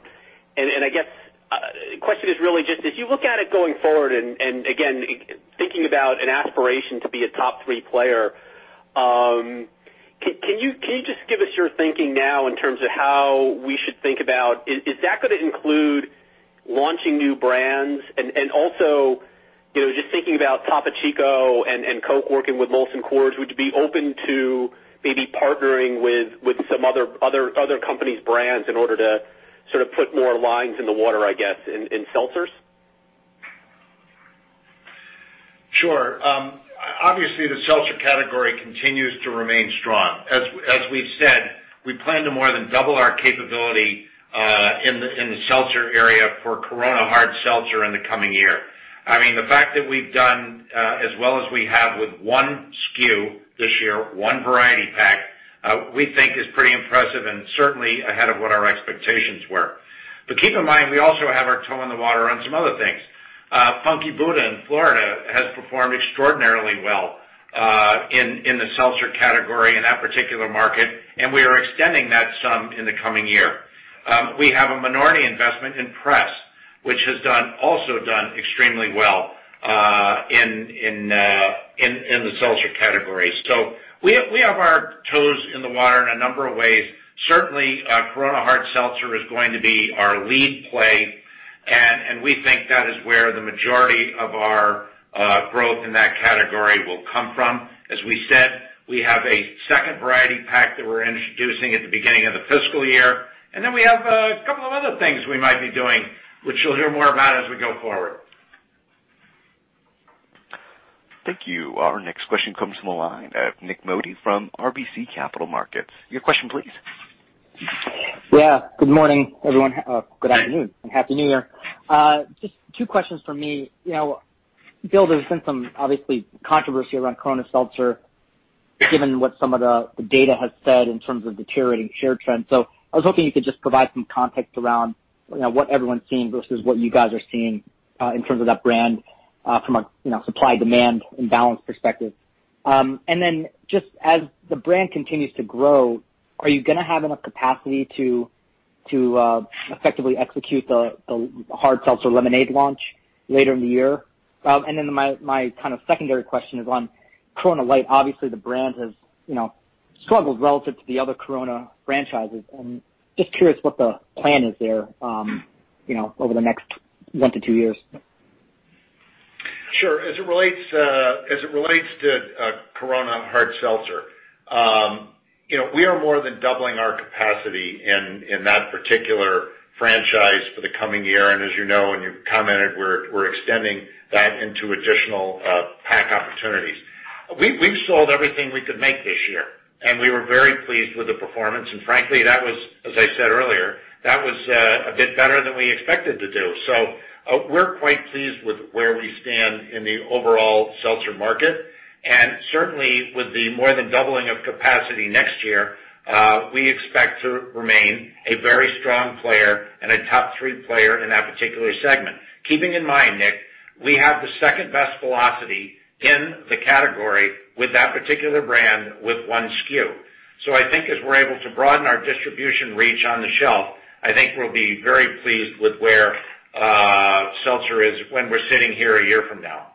guess, question is really just if you look at it going forward and, again, thinking about an aspiration to be a top three player, can you just give us your thinking now in terms of how we should think about, is that going to include launching new brands? Also, just thinking about Topo Chico and Coke working with Molson Coors, would you be open to maybe partnering with some other companies' brands in order to sort of put more lines in the water, I guess, in seltzers? Sure. The seltzer category continues to remain strong. As we've said, we plan to more than double our capability in the seltzer area for Corona Hard Seltzer in the coming year. I mean, the fact that we've done as well as we have with one SKU this year, one variety pack, we think is pretty impressive and certainly ahead of what our expectations were. Keep in mind, we also have our toe in the water on some other things. Funky Buddha in Florida has performed extraordinarily well in the seltzer category in that particular market. We are extending that some in the coming year. We have a minority investment in Press, which has also done extremely well in the seltzer category. We have our toes in the water in a number of ways. Certainly, Corona Hard Seltzer is going to be our lead play, and we think that is where the majority of our growth in that category will come from. As we said, we have a second variety pack that we're introducing at the beginning of the fiscal year, and then we have a couple of other things we might be doing, which you'll hear more about as we go forward. Thank you. Our next question comes from the line of Nik Modi from RBC Capital Markets. Your question, please. Yeah. Good morning, everyone. Good afternoon, and Happy New Year. Just two questions from me. Bill, there's been some, obviously, controversy around Corona Seltzer, given what some of the data has said in terms of deteriorating share trends. I was hoping you could just provide some context around what everyone's seeing versus what you guys are seeing in terms of that brand from a supply-demand imbalance perspective. Just as the brand continues to grow, are you going to have enough capacity to effectively execute the Hard Seltzer Lemonade launch later in the year? My kind of secondary question is on Corona Light. Obviously, the brand has struggled relative to the other Corona franchises. I'm just curious what the plan is there over the next one to two years. Sure. As it relates to Corona Hard Seltzer, we are more than doubling our capacity in that particular franchise for the coming year, and as you know and you've commented, we're extending that into additional pack opportunities. We've sold everything we could make this year, and we were very pleased with the performance. Frankly, that was, as I said earlier, that was a bit better than we expected to do. We're quite pleased with where we stand in the overall seltzer market. Certainly, with the more than doubling of capacity next year, we expect to remain a very strong player and a top three player in that particular segment. Keeping in mind, Nik, we have the second-best velocity in the category with that particular brand with one SKU. I think as we're able to broaden our distribution reach on the shelf, I think we'll be very pleased with where seltzer is when we're sitting here a year from now.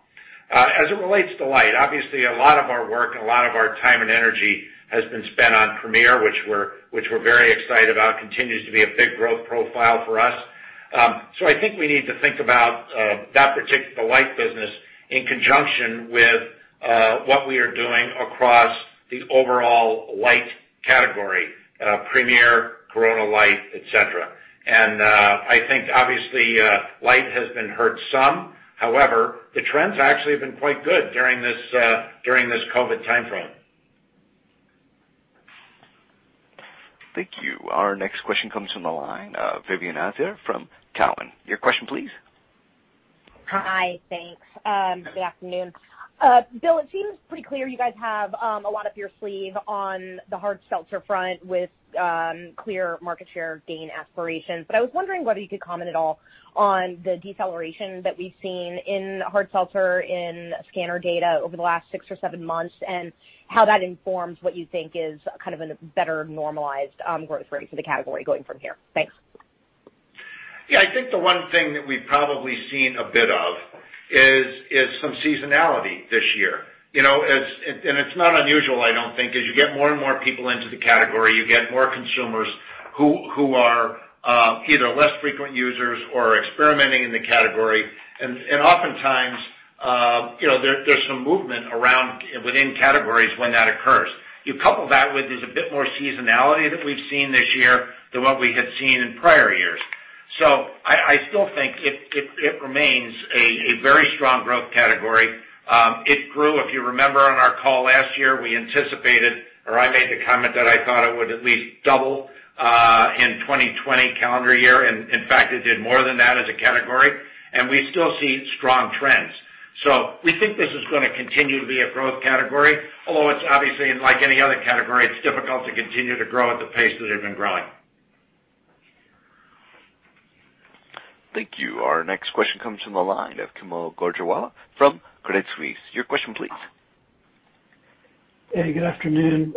As it relates to light, obviously a lot of our work and a lot of our time and energy has been spent on Premier, which we're very excited about, continues to be a big growth profile for us. I think we need to think about that particular light business in conjunction with what we are doing across the overall light category, Premier, Corona Light, et cetera. I think obviously, light has been hurt some. However, the trends actually have been quite good during this COVID timeframe. Thank you. Our next question comes from the line of Vivien Azer from Cowen. Your question, please. Hi. Thanks. Good afternoon. Bill, it seems pretty clear you guys have a lot up your sleeve on the hard seltzer front with clear market share gain aspirations. I was wondering whether you could comment at all on the deceleration that we've seen in hard seltzer in scanner data over the last six or seven months, and how that informs what you think is kind of in a better normalized growth rate for the category going from here. Thanks. Yeah, I think the one thing that we've probably seen a bit of is some seasonality this year. It's not unusual, I don't think, as you get more and more people into the category, you get more consumers who are either less frequent users or are experimenting in the category. Oftentimes, there's some movement around within categories when that occurs. You couple that with, there's a bit more seasonality that we've seen this year than what we had seen in prior years. I still think it remains a very strong growth category. It grew, if you remember on our call last year, we anticipated, or I made the comment that I thought it would at least double, in 2020 calendar year, and in fact, it did more than that as a category. We still see strong trends. We think this is going to continue to be a growth category, although it's obviously, like any other category, it's difficult to continue to grow at the pace that they've been growing. Thank you. Our next question comes from the line of Kaumil Gajrawala from Credit Suisse. Your question please. Hey, good afternoon.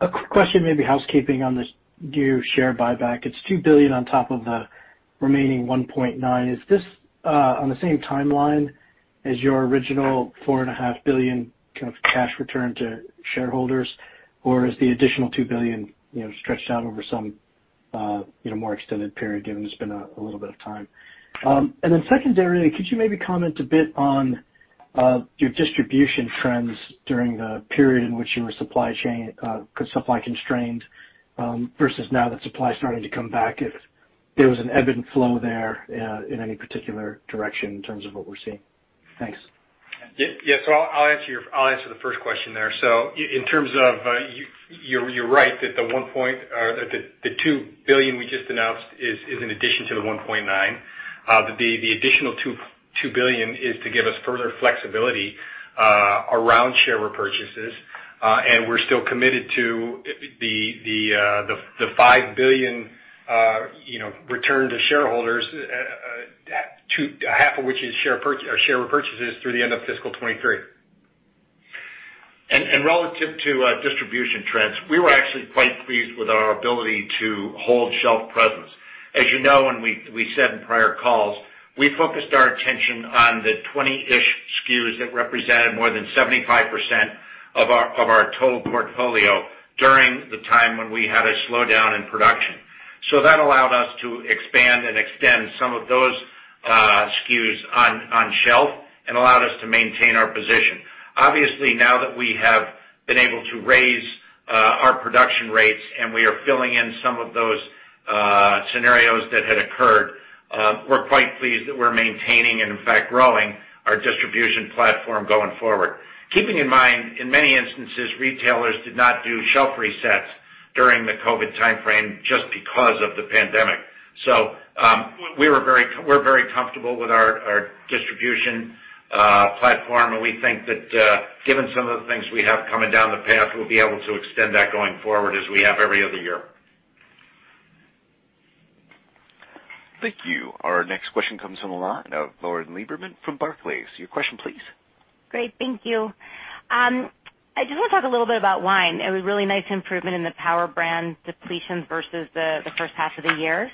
A question maybe housekeeping on this new share buyback. It's $2 billion on top of the remaining 1.9. Is this on the same timeline as your original $4.5 billion kind of cash return to shareholders, or is the additional $2 billion stretched out over some more extended period, given it's been a little bit of time? Then secondarily, could you maybe comment a bit on your distribution trends during the period in which you were supply constrained, versus now that supply's starting to come back, if there was an ebb and flow there in any particular direction in terms of what we're seeing. Thanks. Yeah. I'll answer the first question there. In terms of, you're right that the $2 billion we just announced is in addition to the $1.9. The additional $2 billion is to give us further flexibility around share repurchases. We're still committed to the $5 billion return to shareholders, half of which is share repurchases through the end of fiscal 2023. Relative to distribution trends, we were actually quite pleased with our ability to hold shelf presence. As you know, and we said in prior calls, we focused our attention on the 20-ish SKUs that represented more than 75% of our total portfolio during the time when we had a slowdown in production. That allowed us to expand and extend some of those SKUs on shelf and allowed us to maintain our position. Obviously, now that we have been able to raise our production rates and we are filling in some of those scenarios that had occurred, we're quite pleased that we're maintaining and in fact growing our distribution platform going forward. Keeping in mind, in many instances, retailers did not do shelf resets during the COVID timeframe just because of the pandemic. We're very comfortable with our distribution platform, and we think that, given some of the things we have coming down the path, we'll be able to extend that going forward as we have every other year. Thank you. Our next question comes from the line of Lauren Lieberman from Barclays. Your question, please. Great, thank you. I just want to talk a little bit about wine. It was a really nice improvement in the Power brand depletions versus the first half of the year.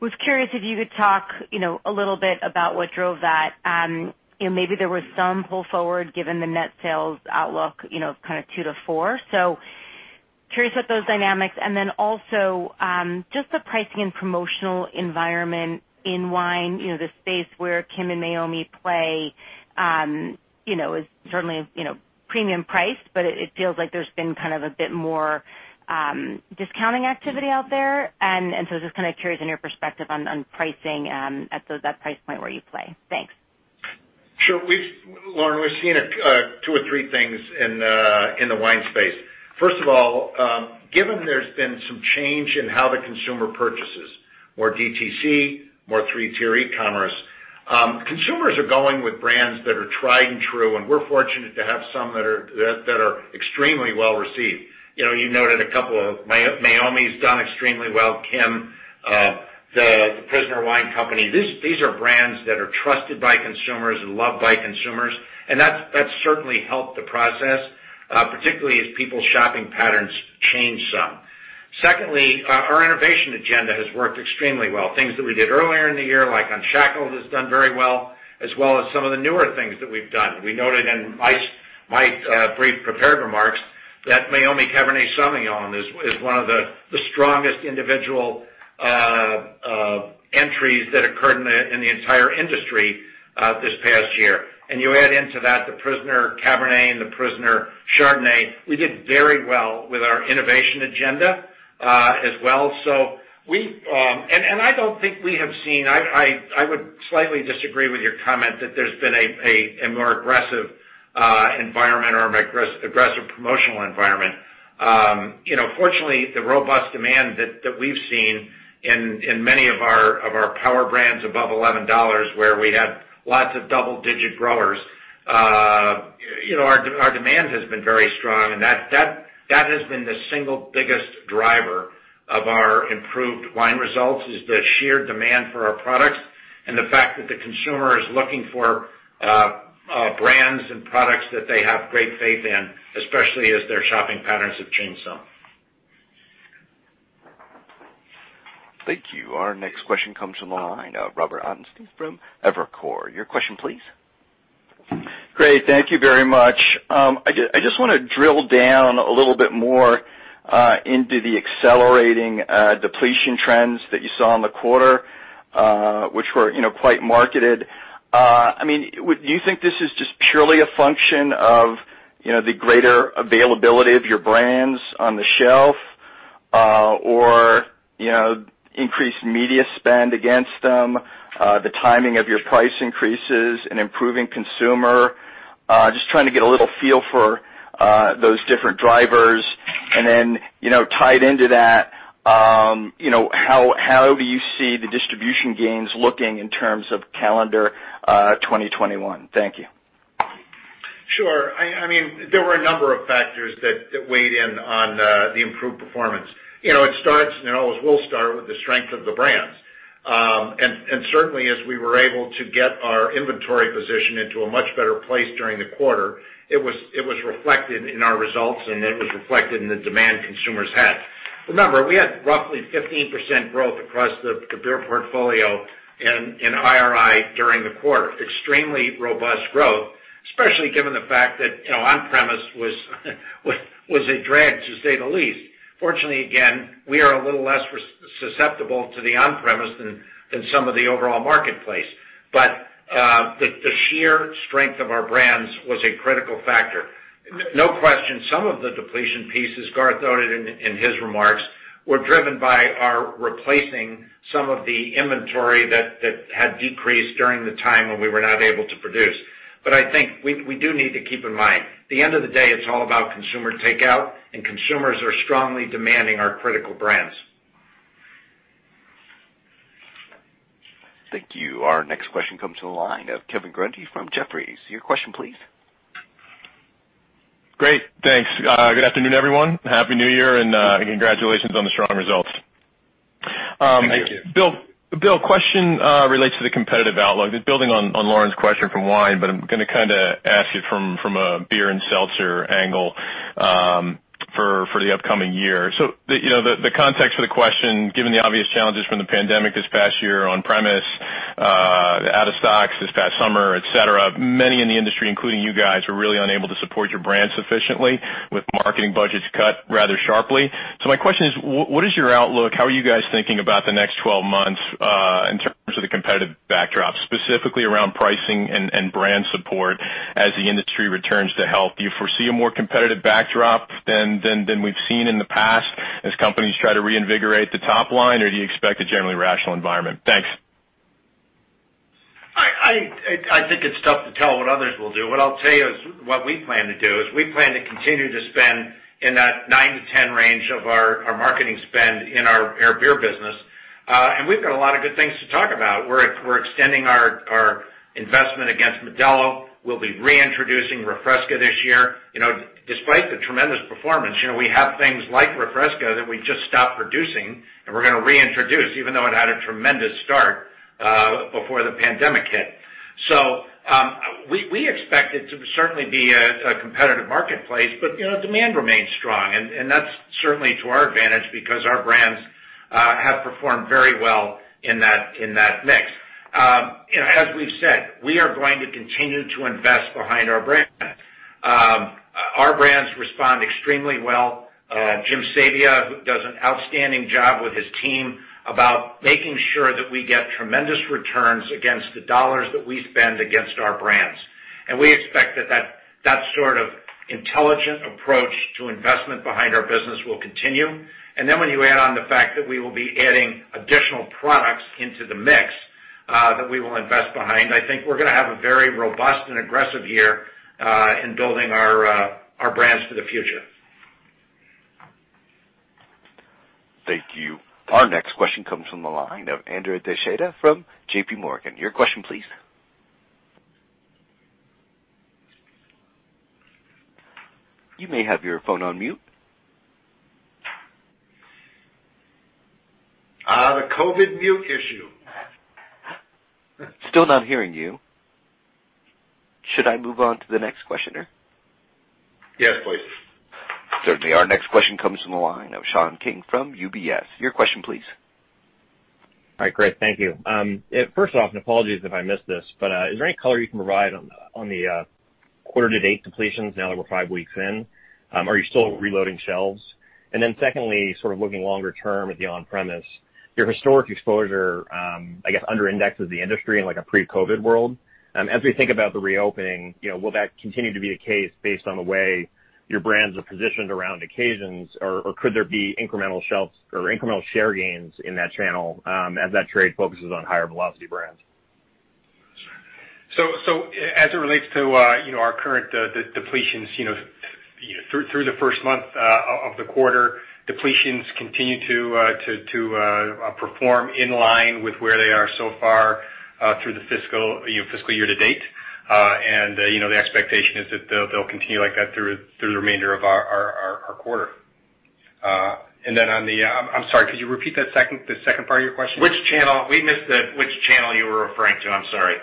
Was curious if you could talk a little bit about what drove that. Maybe there was some pull forward given the net sales outlook, kind of two to four. Curious about those dynamics, and then also, just the pricing and promotional environment in wine. The space where Kim and Meiomi play is certainly premium priced, but it feels like there's been kind of a bit more discounting activity out there. Just kind of curious on your perspective on pricing, at that price point where you play. Thanks. Sure. Lauren, we've seen two or three things in the wine space. First of all, given there's been some change in how the consumer purchases, more DTC, more three-tier e-commerce, consumers are going with brands that are tried and true, and we're fortunate to have some that are extremely well-received. You noted a couple of them. Meiomi's done extremely well. The Prisoner Wine Company. These are brands that are trusted by consumers and loved by consumers, that's certainly helped the process, particularly as people's shopping patterns change some. Secondly, our innovation agenda has worked extremely well. Things that we did earlier in the year, like Unshackled, has done very well, as well as some of the newer things that we've done. We noted in my brief prepared remarks that Meiomi Cabernet Sauvignon is one of the strongest individual entries that occurred in the entire industry this past year. You add into that The Prisoner Cabernet and The Prisoner Chardonnay. We did very well with our innovation agenda as well. I would slightly disagree with your comment that there's been a more aggressive environment or aggressive promotional environment. Fortunately, the robust demand that we've seen in many of our power brands above $11, where we have lots of double-digit growers, our demand has been very strong. That has been the single biggest driver of our improved wine results, is the sheer demand for our products and the fact that the consumer is looking for brands and products that they have great faith in, especially as their shopping patterns have changed some. Thank you. Our next question comes from the line of Robert Ottenstein from Evercore. Your question, please. Great. Thank you very much. I just want to drill down a little bit more into the accelerating depletion trends that you saw in the quarter, which were quite marketed. Increased media spend against them, the timing of your price increases, and improving consumer? Just trying to get a little feel for those different drivers. Tied into that, how do you see the distribution gains looking in terms of calendar 2021? Thank you. Sure. There were a number of factors that weighed in on the improved performance. It always will start with the strength of the brands. Certainly, as we were able to get our inventory position into a much better place during the quarter, it was reflected in our results, and it was reflected in the demand consumers had. Remember, we had roughly 15% growth across the beer portfolio in IRI during the quarter. Extremely robust growth, especially given the fact that on-premise was a drag, to say the least. Fortunately, again, we are a little less susceptible to the on-premise than some of the overall marketplace. The sheer strength of our brands was a critical factor. No question, some of the depletion pieces, Garth noted in his remarks, were driven by our replacing some of the inventory that had decreased during the time when we were not able to produce. I think we do need to keep in mind, the end of the day, it's all about consumer takeout, and consumers are strongly demanding our critical brands. Thank you. Our next question comes from the line of Kevin Grundy from Jefferies. Your question, please. Great. Thanks. Good afternoon, everyone. Happy New Year, and congratulations on the strong results. Thank you. Bill, question relates to the competitive outlook. Just building on Lauren's question from wine, but I'm going to kind of ask you from a beer and seltzer angle for the upcoming year. The context for the question, given the obvious challenges from the pandemic this past year on premise, out of stocks this past summer, et cetera, many in the industry, including you guys, were really unable to support your brands sufficiently with marketing budgets cut rather sharply. My question is, what is your outlook? How are you guys thinking about the next 12 months in terms of the competitive backdrop, specifically around pricing and brand support as the industry returns to health? Do you foresee a more competitive backdrop than we've seen in the past as companies try to reinvigorate the top line? Do you expect a generally rational environment? Thanks. I think it's tough to tell what others will do. What I'll tell you is what we plan to do, is we plan to continue to spend in that nine to 10 range of our marketing spend in our beer business. We've got a lot of good things to talk about. We're extending our investment against Modelo. We'll be reintroducing Refresca this year. Despite the tremendous performance, we have things like Refresca that we just stopped producing and we're going to reintroduce, even though it had a tremendous start before the pandemic hit. We expect it to certainly be a competitive marketplace, but demand remains strong, and that's certainly to our advantage because our brands have performed very well in that mix. As we've said, we are going to continue to invest behind our brands. Our brands respond extremely well. Jim Sabia, who does an outstanding job with his team about making sure that we get tremendous returns against the dollars that we spend against our brands. We expect that sort of intelligent approach to investment behind our business will continue. When you add on the fact that we will be adding additional products into the mix that we will invest behind, I think we're going to have a very robust and aggressive year in building our brands for the future. Thank you. Our next question comes from the line of Andrea Teixeira from JPMorgan. Your question, please. You may have your phone on mute. The COVID mute issue. Still not hearing you. Should I move on to the next questioner? Yes, please. Certainly. Our next question comes from the line of Sean King from UBS. Your question please. Hi, great. Thank you. Apologies if I missed this, is there any color you can provide on the quarter to date depletions now that we're five weeks in? Are you still reloading shelves? Secondly, sort of looking longer term at the on-premise, your historic exposure, I guess, under indexes the industry in like a pre-COVID world. As we think about the reopening, will that continue to be the case based on the way your brands are positioned around occasions, or could there be incremental shelves or incremental share gains in that channel, as that trade focuses on higher velocity brands? As it relates to our current depletions, through the first month of the quarter, depletions continue to perform in line with where they are so far, through the fiscal year to date. The expectation is that they'll continue like that through the remainder of our quarter. On the I'm sorry, could you repeat the second part of your question? Which channel? We missed which channel you were referring to. I'm sorry.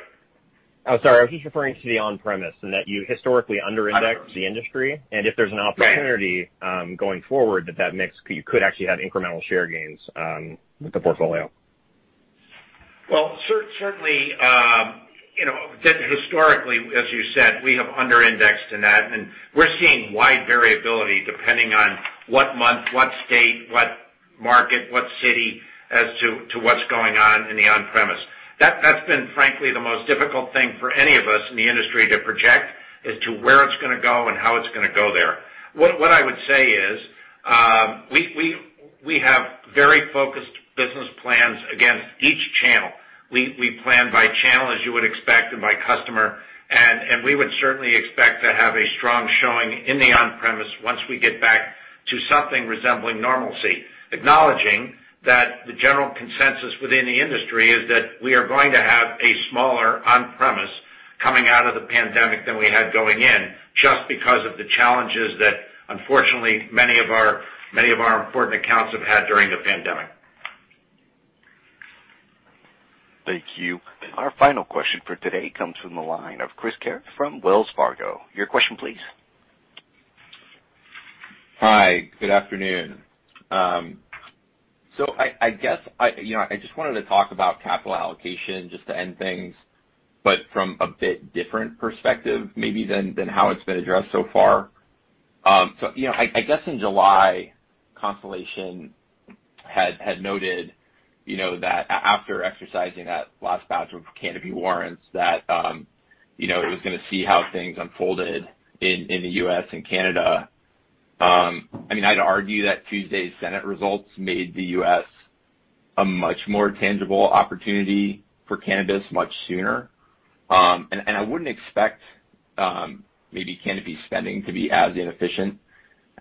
Oh, sorry. I was just referring to the on-premise, and that you historically under-index the industry. Right. If there's an opportunity, going forward that mix could actually have incremental share gains, with the portfolio. Well, certainly, historically, as you said, we have under-indexed in that, and we're seeing wide variability depending on what month, what state, what market, what city as to what's going on in the on-premise. That's been frankly the most difficult thing for any of us in the industry to project, as to where it's gonna go and how it's gonna go there. What I would say is, we have very focused business plans against each channel. We plan by channel as you would expect, and by customer, and we would certainly expect to have a strong showing in the on-premise once we get back to something resembling normalcy. Acknowledging that the general consensus within the industry is that we are going to have a smaller on-premise coming out of the pandemic than we had going in, just because of the challenges that unfortunately many of our important accounts have had during the pandemic. Thank you. Our final question for today comes from the line of Chris Carey from Wells Fargo. Your question please. Hi, good afternoon. I just wanted to talk about capital allocation just to end things, but from a bit different perspective maybe than how it's been addressed so far. I guess in July, Constellation had noted that after exercising that last batch of Canopy warrants that it was gonna see how things unfolded in the U.S. and Canada. I'd argue that Tuesday's Senate results made the U.S. a much more tangible opportunity for cannabis much sooner. I wouldn't expect maybe Canopy spending to be as inefficient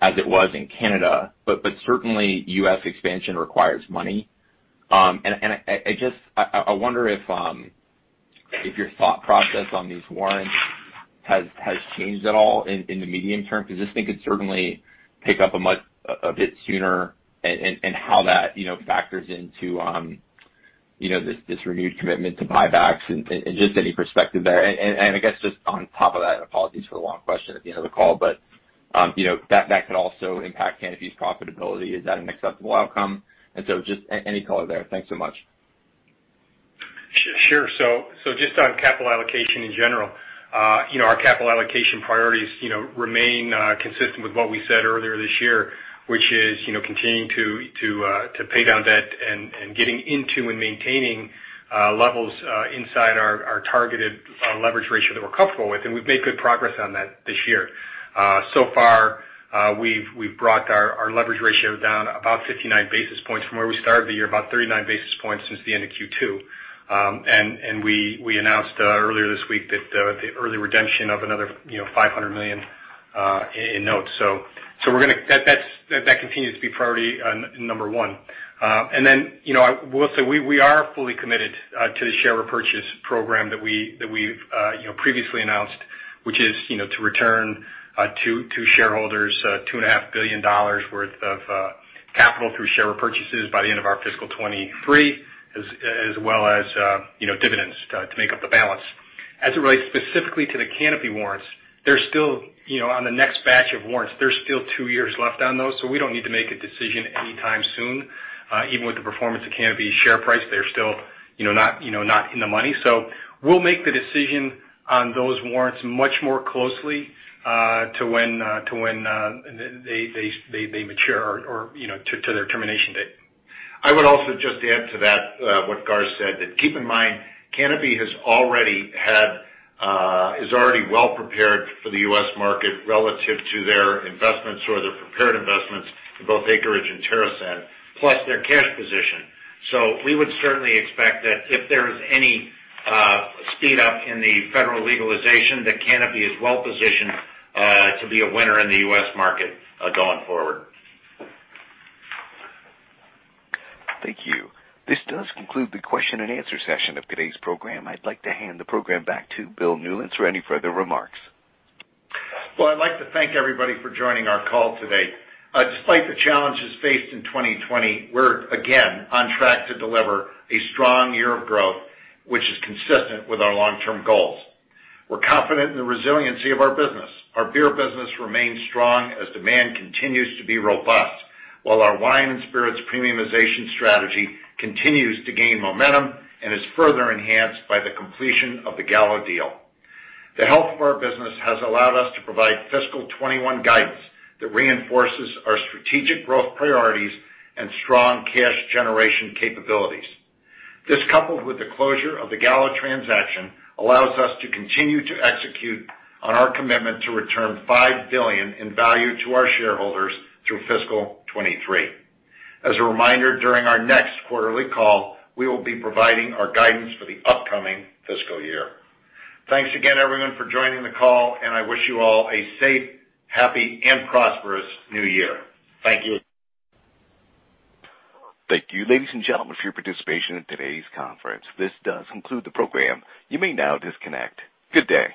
as it was in Canada, but certainly U.S. expansion requires money. I wonder if your thought process on these warrants has changed at all in the medium term, because this thing could certainly pick up a bit sooner and how that factors into this renewed commitment to buybacks and just any perspective there. I guess just on top of that, apologies for the long question at the end of the call, but that could also impact Canopy's profitability. Is that an acceptable outcome? Just any color there. Thanks so much. Sure. Just on capital allocation in general, our capital allocation priorities remain consistent with what we said earlier this year, which is continuing to pay down debt and getting into and maintaining levels inside our targeted leverage ratio that we're comfortable with. We've made good progress on that this year. Far, we've brought our leverage ratio down about 59 basis points from where we started the year, about 39 basis points since the end of Q2. We announced earlier this week the early redemption of another $500 million in notes. That continues to be priority number one. I will say, we are fully committed to the share repurchase program that we've previously announced, which is to return to shareholders $2.5 billion worth of capital through share repurchases by the end of our fiscal 2023 as well as dividends to make up the balance. As it relates specifically to the Canopy warrants, on the next batch of warrants, there's still two years left on those, so we don't need to make a decision anytime soon. Even with the performance of Canopy's share price, they're still not in the money. We'll make the decision on those warrants much more closely to when they mature or to their termination date. I would also just add to that, what Garth said, that keep in mind, Canopy is already well-prepared for the U.S. market relative to their investments or their prepared investments in both Acreage and TerrAscend, plus their cash position. We would certainly expect that if there is any speed up in the federal legalization, that Canopy is well-positioned to be a winner in the U.S. market, going forward. Thank you. This does conclude the question and answer session of today's program. I'd like to hand the program back to Bill Newlands for any further remarks. Well, I'd like to thank everybody for joining our call today. Despite the challenges faced in 2020, we're again on track to deliver a strong year of growth, which is consistent with our long-term goals. We're confident in the resiliency of our business. Our beer business remains strong as demand continues to be robust, while our wine and spirits premiumization strategy continues to gain momentum and is further enhanced by the completion of the Gallo deal. The health of our business has allowed us to provide fiscal 2021 guidance that reinforces our strategic growth priorities and strong cash generation capabilities. This, coupled with the closure of the Gallo transaction, allows us to continue to execute on our commitment to return $5 billion in value to our shareholders through fiscal 2023. As a reminder, during our next quarterly call, we will be providing our guidance for the upcoming fiscal year. Thanks again, everyone, for joining the call, and I wish you all a safe, happy, and prosperous New Year. Thank you. Thank you, ladies and gentlemen, for your participation in today's conference. This does conclude the program. You may now disconnect. Good day.